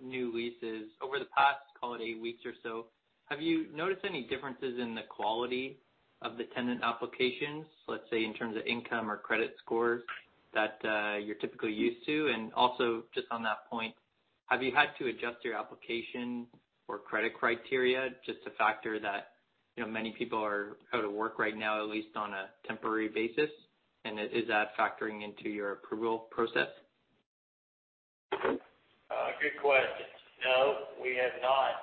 new leases. Over the past, call it eight weeks or so, have you noticed any differences in the quality of the tenant applications, let's say in terms of income or credit scores that you're typically used to? Just on that point, have you had to adjust your application or credit criteria just to factor that many people are out of work right now, at least on a temporary basis, and is that factoring into your approval process? Good question. No, we have not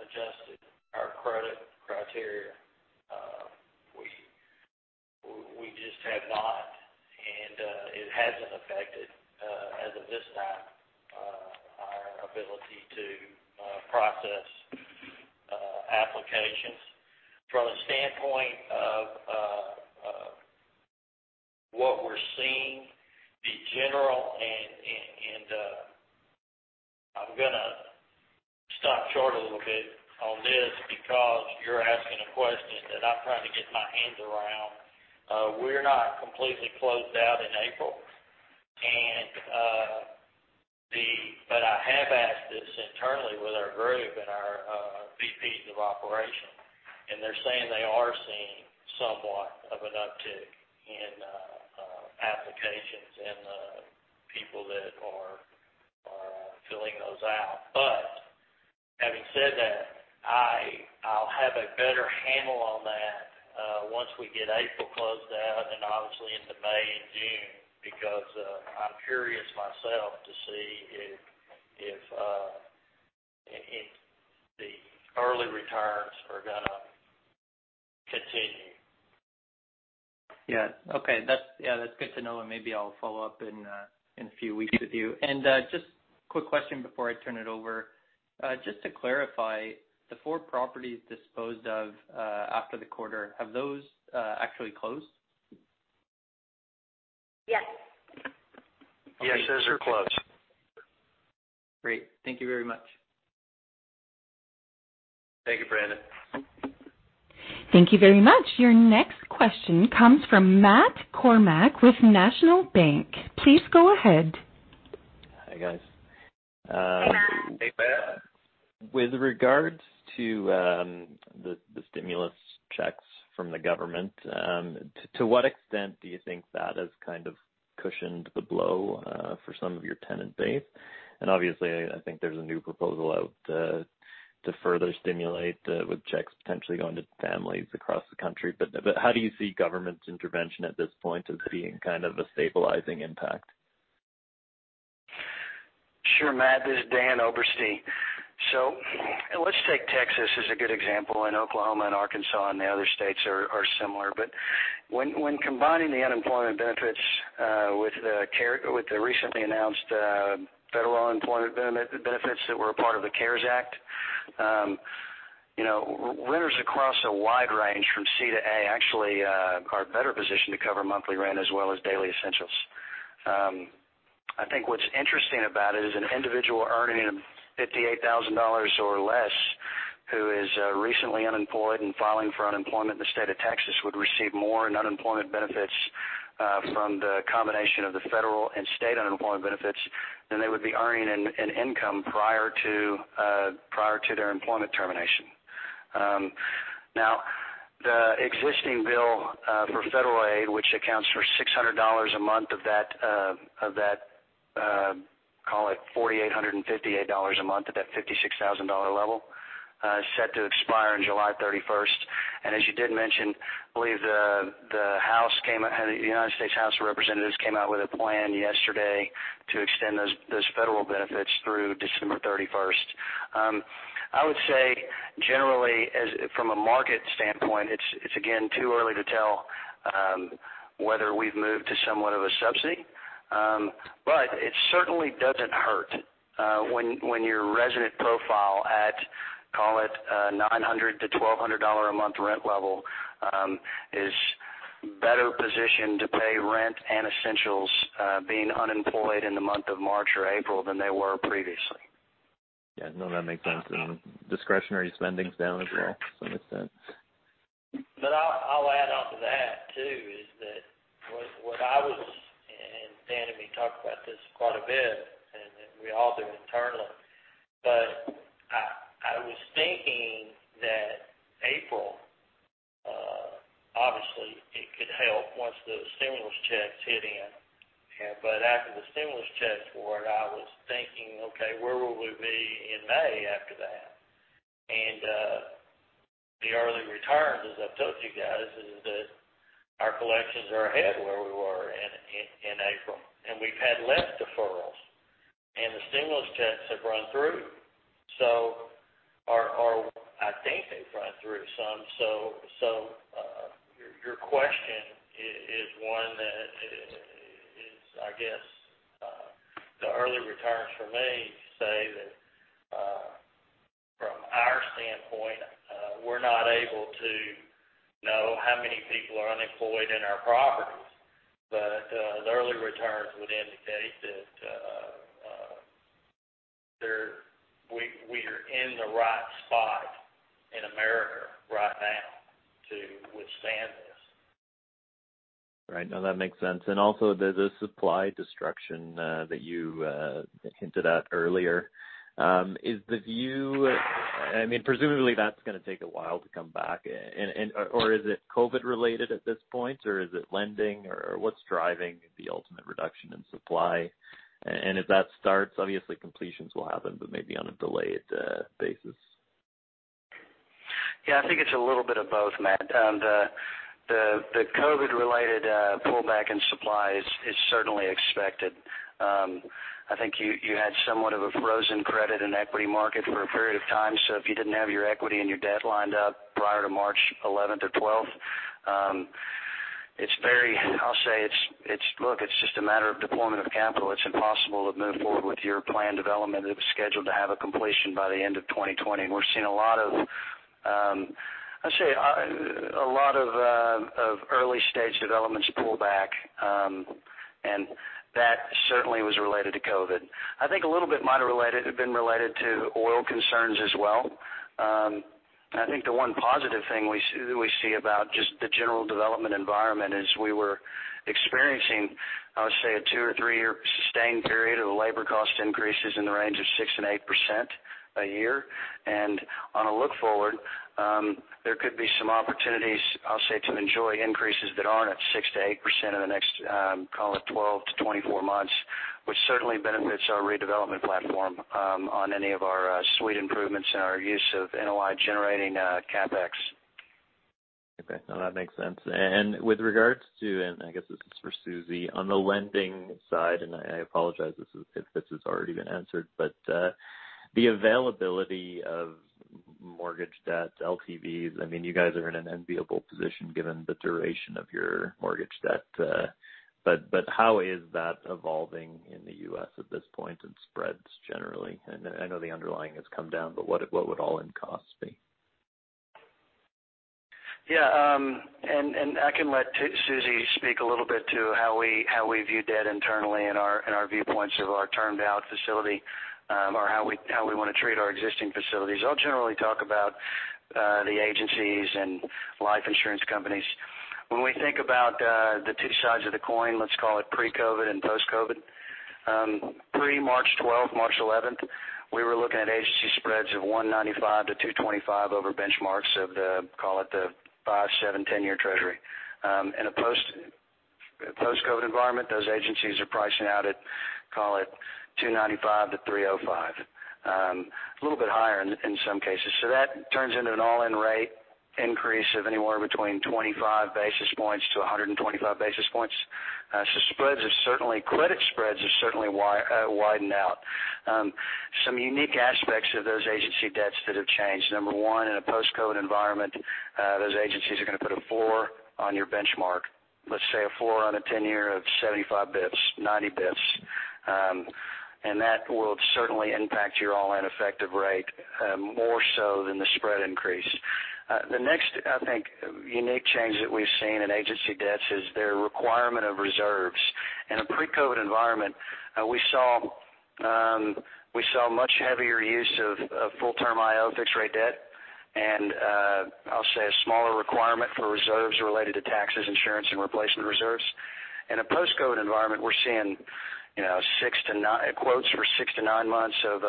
adjusted our credit criteria. We just have not, and it hasn't affected, as of this time, our ability to process applications. From the standpoint of what we're seeing, the general, and I'm going to stop short a little bit on this because you're asking a question that I'm trying to get my hands around. We're not completely closed out in April, but I have asked this internally with our group and our VPs of operation, and they're saying they are seeing somewhat of an uptick in applications and the people that are filling those out. Having said that, I'll have a better handle on that once we get April closed out and obviously into May and June, because I'm curious myself to see if the early returns are going to continue. Yeah. Okay. That's good to know, and maybe I'll follow up in a few weeks with you. Just a quick question before I turn it over. Just to clarify, the four properties disposed of after the quarter, have those actually closed? Yes. Yes, those are closed. Great. Thank you very much. Thank you, Brendon. Thank you very much. Your next question comes from Matt Kornack with National Bank. Please go ahead. Hi, guys. Hi. Hey, Matt. With regards to the stimulus checks from the government, to what extent do you think that has kind of cushioned the blow for some of your tenant base? Obviously, I think there's a new proposal out to further stimulate, with checks potentially going to families across the country. How do you see government intervention at this point as being kind of a stabilizing impact? Sure, Matt, this is Dan Oberste. Let's take Texas as a good example, and Oklahoma and Arkansas and the other states are similar. When combining the unemployment benefits with the recently announced federal unemployment benefits that were a part of the CARES Act, renters across a wide range from C to A actually are better positioned to cover monthly rent as well as daily essentials. I think what's interesting about it is an individual earning $58,000 or less who is recently unemployed and filing for unemployment in the state of Texas would receive more in unemployment benefits from the combination of the federal and state unemployment benefits than they would be earning in income prior to their employment termination. The existing bill for federal aid, which accounts for $600 a month of that, call it $4,858 a month at that $56,000 level, is set to expire on July 31st. As you did mention, I believe the United States House of Representatives came out with a plan yesterday to extend those federal benefits through December 31st. I would say generally from a market standpoint, it's again too early to tell whether we've moved to somewhat of a subsidy. It certainly doesn't hurt when your resident profile at, call it $900-$1,200 a month rent level, is better positioned to pay rent and essentials being unemployed in the month of March or April than they were previously. Yeah. No, that makes sense. Discretionary spending's down as well, so it makes sense. I'll add onto that, too, is that what I was and Dan and me talked about this quite a bit, and we all do internally. I was thinking that April, obviously, it could help once the stimulus checks hit in, but after the stimulus checks were in, I was thinking, okay, where will we be in May after that? The early returns, as I've told you guys, is that our collections are ahead where we were in April, and we've had less deferrals, and the stimulus checks have run through. I think they've run through some. Your question is one that is, I guess the early returns for me say that from our standpoint, we're not able to know how many people are unemployed in our properties. The early returns would indicate that we are in the right spot in America right now to withstand this. Right. No, that makes sense. Also, the supply destruction that you hinted at earlier. Presumably, that's going to take a while to come back. Is it COVID related at this point, or is it lending, or what's driving the ultimate reduction in supply? If that starts, obviously completions will happen, but maybe on a delayed basis. Yeah, I think it's a little bit of both, Matt. The COVID-related pullback in supply is certainly expected. I think you had somewhat of a frozen credit and equity market for a period of time. If you didn't have your equity and your debt lined up prior to March 11th or 12th, I'll say, look, it's just a matter of deployment of capital. It's impossible to move forward with your planned development if it's scheduled to have a completion by the end of 2020. We're seeing a lot of early-stage developments pull back, and that certainly was related to COVID. I think a little bit might have been related to oil concerns as well. I think the one positive thing we see about just the general development environment is we were experiencing, I would say, a two or three-year sustained period of labor cost increases in the range of 6% and 8% a year. On a look-forward, there could be some opportunities, I'll say, to enjoy increases that aren't at 6%-8% in the next, call it, 12-24 months, which certainly benefits our redevelopment platform on any of our suite improvements and our use of NOI-generating CapEx. Okay. No, that makes sense. With regards to, I guess this is for Susan, on the lending side, and I apologize if this has already been answered. The availability of mortgage debt, LTVs, you guys are in an enviable position given the duration of your mortgage debt. How is that evolving in the U.S. at this point, and spreads generally? I know the underlying has come down, but what would all-in costs be? Yeah. I can let Susie speak a little bit to how we view debt internally and our viewpoints of our termed-out facility, or how we want to treat our existing facilities. I'll generally talk about the agencies and life insurance companies. When we think about the two sides of the coin, let's call it pre-COVID and post-COVID. Pre March 12th, March 11th, we were looking at agency spreads of 195 to 225 over benchmarks of the, call it, the five, seven, 10-year Treasury. In a post-COVID environment, those agencies are pricing out at, call it, 295 to 305. A little bit higher in some cases. That turns into an all-in rate increase of anywhere between 25 basis points-125 basis points. Credit spreads have certainly widened out. Some unique aspects of those agency debts that have changed. Number one, in a post-COVID environment, those agencies are going to put a floor on your benchmark. Let's say a floor on a 10-year of 75 basis points, 90 basis points. That will certainly impact your all-in effective rate, more so than the spread increase. The next, I think, unique change that we've seen in agency debts is their requirement of reserves. In a pre-COVID environment, we saw much heavier use of full-term IO fixed-rate debt and, I'll say, a smaller requirement for reserves related to taxes, insurance, and replacement reserves. In a post-COVID environment, we're seeing quotes for six to nine months of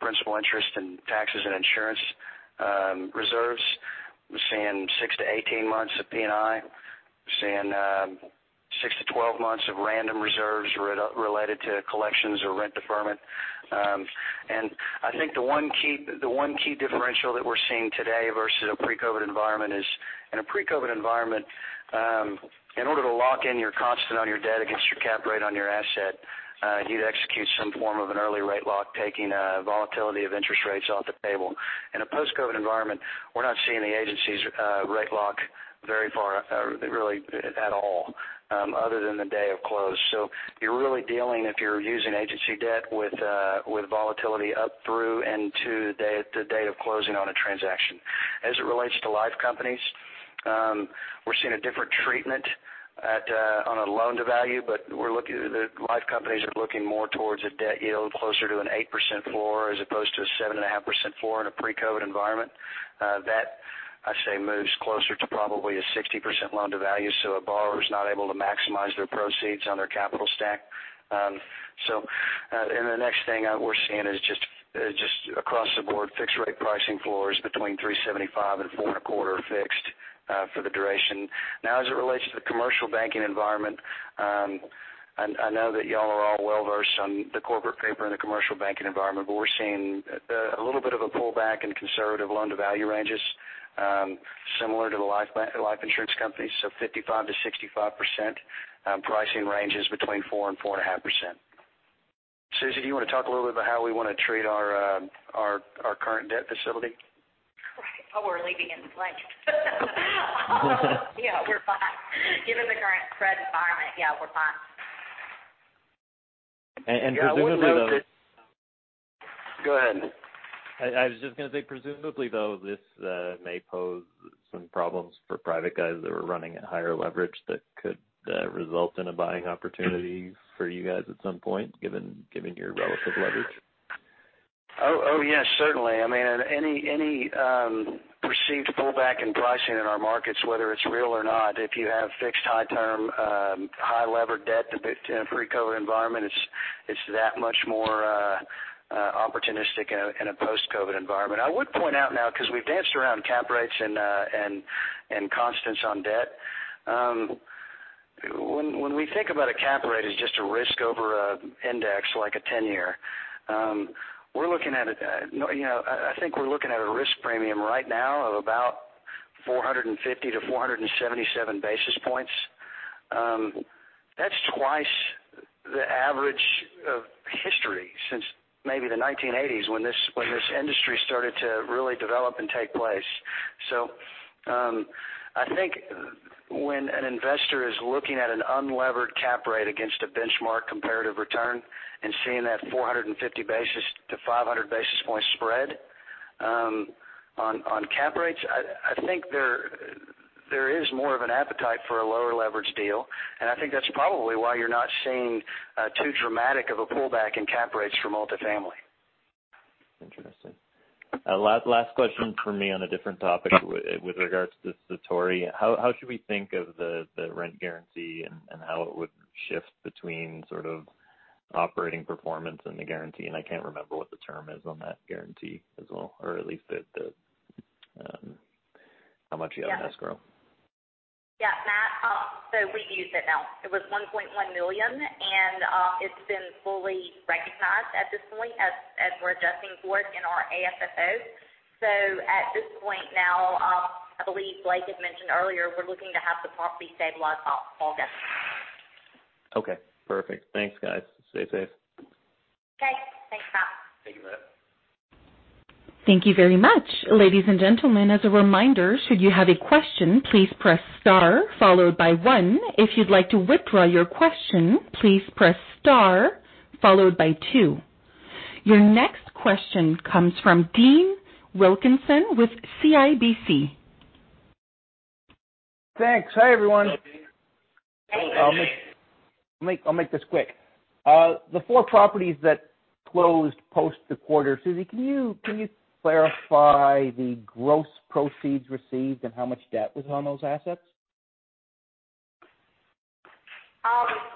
principal interest and taxes and insurance reserves. We're seeing six to 18 months of P&I. We're seeing six to 12 months of random reserves related to collections or rent deferment. I think the one key differential that we're seeing today versus a pre-COVID environment is, in a pre-COVID environment, in order to lock in your constant on your debt against your cap rate on your asset, you'd execute some form of an early rate lock, taking volatility of interest rates off the table. In a post-COVID environment, we're not seeing the agencies rate lock very far, really at all, other than the day of close. You're really dealing, if you're using agency debt, with volatility up through and to the day of closing on a transaction. As it relates to life companies, we're seeing a different treatment on a loan-to-value, but the life companies are looking more towards a debt yield closer to an 8% floor as opposed to a 7.5% floor in a pre-COVID environment. That, I'd say, moves closer to probably a 60% loan-to-value, so a borrower's not able to maximize their proceeds on their capital stack. The next thing we're seeing is just across the board, fixed rate pricing floors between 3.75% and 4.25% fixed for the duration. Now, as it relates to the commercial banking environment, I know that you all are well-versed on the corporate paper and the commercial banking environment, but we're seeing a little bit of a pullback in conservative loan-to-value ranges, similar to the life insurance companies, so 55%-65%, pricing ranges between 4% and 4.5%. Susie, do you want to talk a little bit about how we want to treat our current debt facility? Right. Oh, we're leaving it blank. Yeah, we're fine. Given the current credit environment, yeah, we're fine. Presumably Go ahead. I was just going to say, presumably though, this may pose some problems for private guys that were running at higher leverage that could result in a buying opportunity for you guys at some point, given your relative leverage. Oh, yes, certainly. Any perceived pullback in pricing in our markets, whether it's real or not, if you have fixed high-term, high-levered debt in a pre-COVID environment, it's that much more opportunistic in a post-COVID environment. I would point out now, because we've danced around cap rates and constants on debt. When we think about a cap rate as just a risk over an index like a 10-year, I think we're looking at a risk premium right now of about 450 basis points-477 basis points. That's twice the average of history since maybe the 1980s when this industry started to really develop and take place. I think when an investor is looking at an unlevered cap rate against a benchmark comparative return and seeing that 450 basis points-500 basis point spread on cap rates, I think there is more of an appetite for a lower leverage deal. I think that's probably why you're not seeing too dramatic of a pullback in cap rates for multifamily. Interesting. Last question from me on a different topic with regards to the Satori. How should we think of the rent guarantee and how it would shift between sort of operating performance and the guarantee? I can't remember what the term is on that guarantee as well, or at least how much you have in escrow. Yeah. Matt, we've used it now. It was $1.1 million, and it's been fully recognized at this point as we're adjusting for it in our AFFO. At this point now, I believe Blake had mentioned earlier, we're looking to have the property stabilized by August. Okay, perfect. Thanks, guys. Stay safe. Okay. Thanks, Matt. Thank you, Matt. Thank you very much. Ladies and gentlemen, as a reminder, should you have a question, please press star followed by one. If you'd like to withdraw your question, please press star followed by two. Your next question comes from Dean Wilkinson with CIBC. Thanks. Hi, everyone. Hi, Dean. I'll make this quick. The four properties that closed post the quarter, Susie, can you clarify the gross proceeds received and how much debt was on those assets?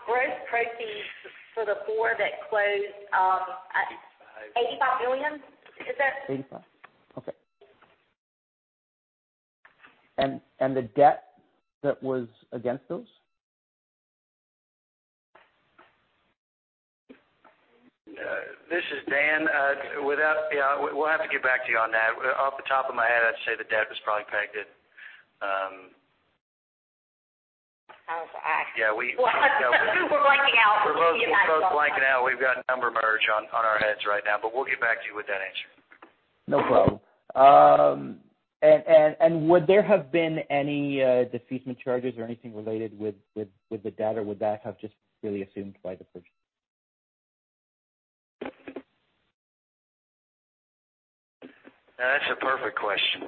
Gross proceeds for the four that closed, $85 million. $85 million. Okay. The debt that was against those? This is Dan. We'll have to get back to you on that. Off the top of my head, I'd say the debt was probably pegged at. I was like- Yeah. We're blanking out. We're both blanking out. We've got number crunch on our heads right now, but we'll get back to you with that answer. No problem. Would there have been any defeasance charges or anything related with the debt, or would that have just really assumed by the purchase? That's a perfect question.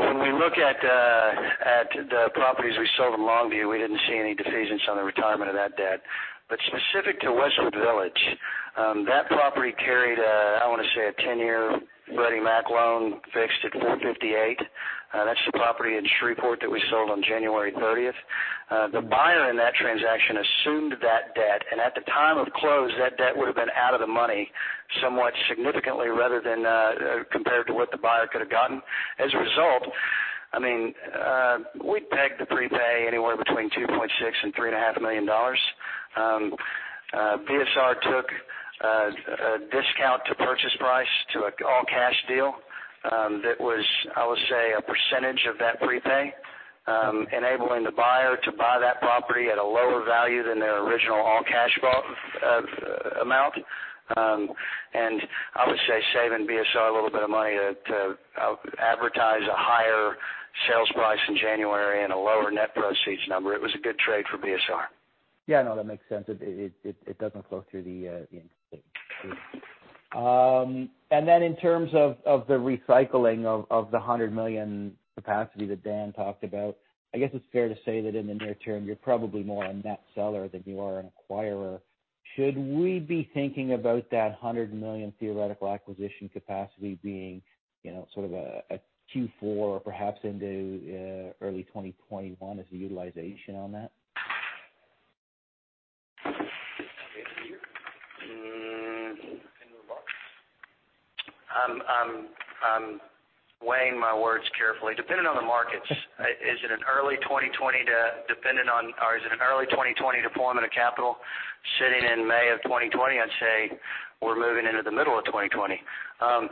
When we look at the properties we sold in Longview, we didn't see any defeasance on the retirement of that debt. But specific to Westwood Village, that property carried a, I want to say, a 10-year Freddie Mac loan fixed at 458. That's the property in Shreveport that we sold on January 30th. The buyer in that transaction assumed that debt, and at the time of close, that debt would've been out of the money somewhat significantly, rather than compared to what the buyer could have gotten. As a result, we pegged the prepay anywhere between $2.6 million and $3.5 million. BSR took a discount to purchase price to an all-cash deal. That was, I would say, a percentage of that prepay, enabling the buyer to buy that property at a lower value than their original all-cash amount. I would say saving BSR a little bit of money to advertise a higher sales price in January and a lower net proceeds number. It was a good trade for BSR. Yeah, no, that makes sense. It doesn't flow through the income statement. Then in terms of the recycling of the $100 million capacity that Dan talked about, I guess it's fair to say that in the near term, you're probably more a net seller than you are an acquirer. Should we be thinking about that $100 million theoretical acquisition capacity being sort of a Q4 or perhaps into early 2021 as a utilization on that? I'm weighing my words carefully. Depending on the markets, is it an early 2020 deployment of capital sitting in May of 2020? I'd say we're moving into the middle of 2020. Early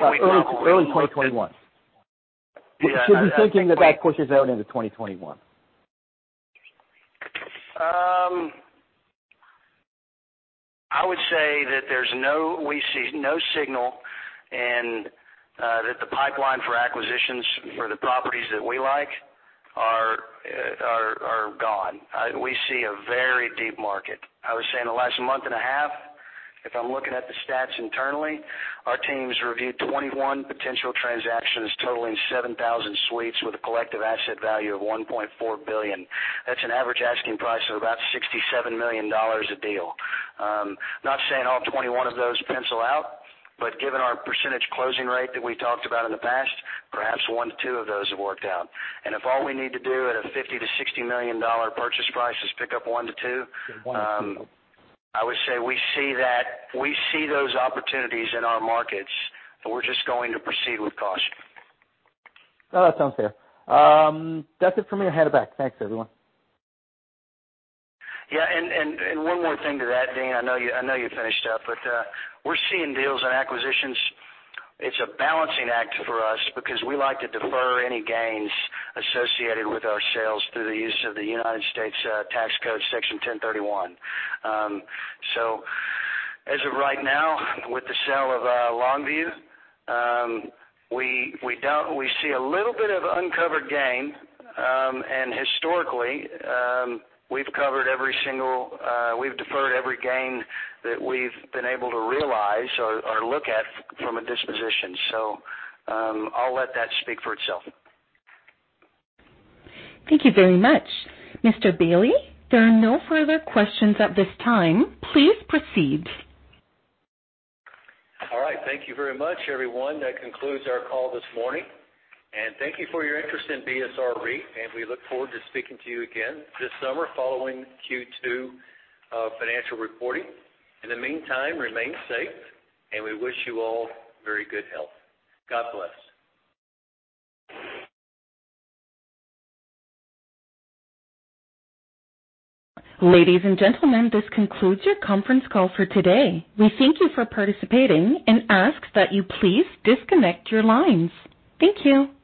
2021. Yeah. Should we be thinking that pushes out into 2021? I would say that we see no signal, and that the pipeline for acquisitions for the properties that we like are gone. We see a very deep market. I would say in the last month and a half, if I'm looking at the stats internally, our team's reviewed 21 potential transactions totaling 7,000 suites with a collective asset value of $1.4 billion. That's an average asking price of about $67 million a deal. Not saying all 21 of those pencil out, but given our percentage closing rate that we talked about in the past, perhaps one to two. One or two. I would say we see those opportunities in our markets, but we're just going to proceed with caution. No, that sounds fair. That's it for me. I hand it back. Thanks, everyone. One more thing to that, Dean. I know you finished up, we're seeing deals on acquisitions. It's a balancing act for us because we like to defer any gains associated with our sales through the use of the United States Tax Code Section 1031. As of right now, with the sale of Longview, we see a little bit of uncovered gain. Historically, we've deferred every gain that we've been able to realize or look at from a disposition. I'll let that speak for itself. Thank you very much. Mr. Bailey, there are no further questions at this time. Please proceed. All right. Thank you very much, everyone. That concludes our call this morning, and thank you for your interest in BSR REIT, and we look forward to speaking to you again this summer following Q2 financial reporting. In the meantime, remain safe, and we wish you all very good health. God bless. Ladies and gentlemen, this concludes your conference call for today. We thank you for participating and ask that you please disconnect your lines. Thank you.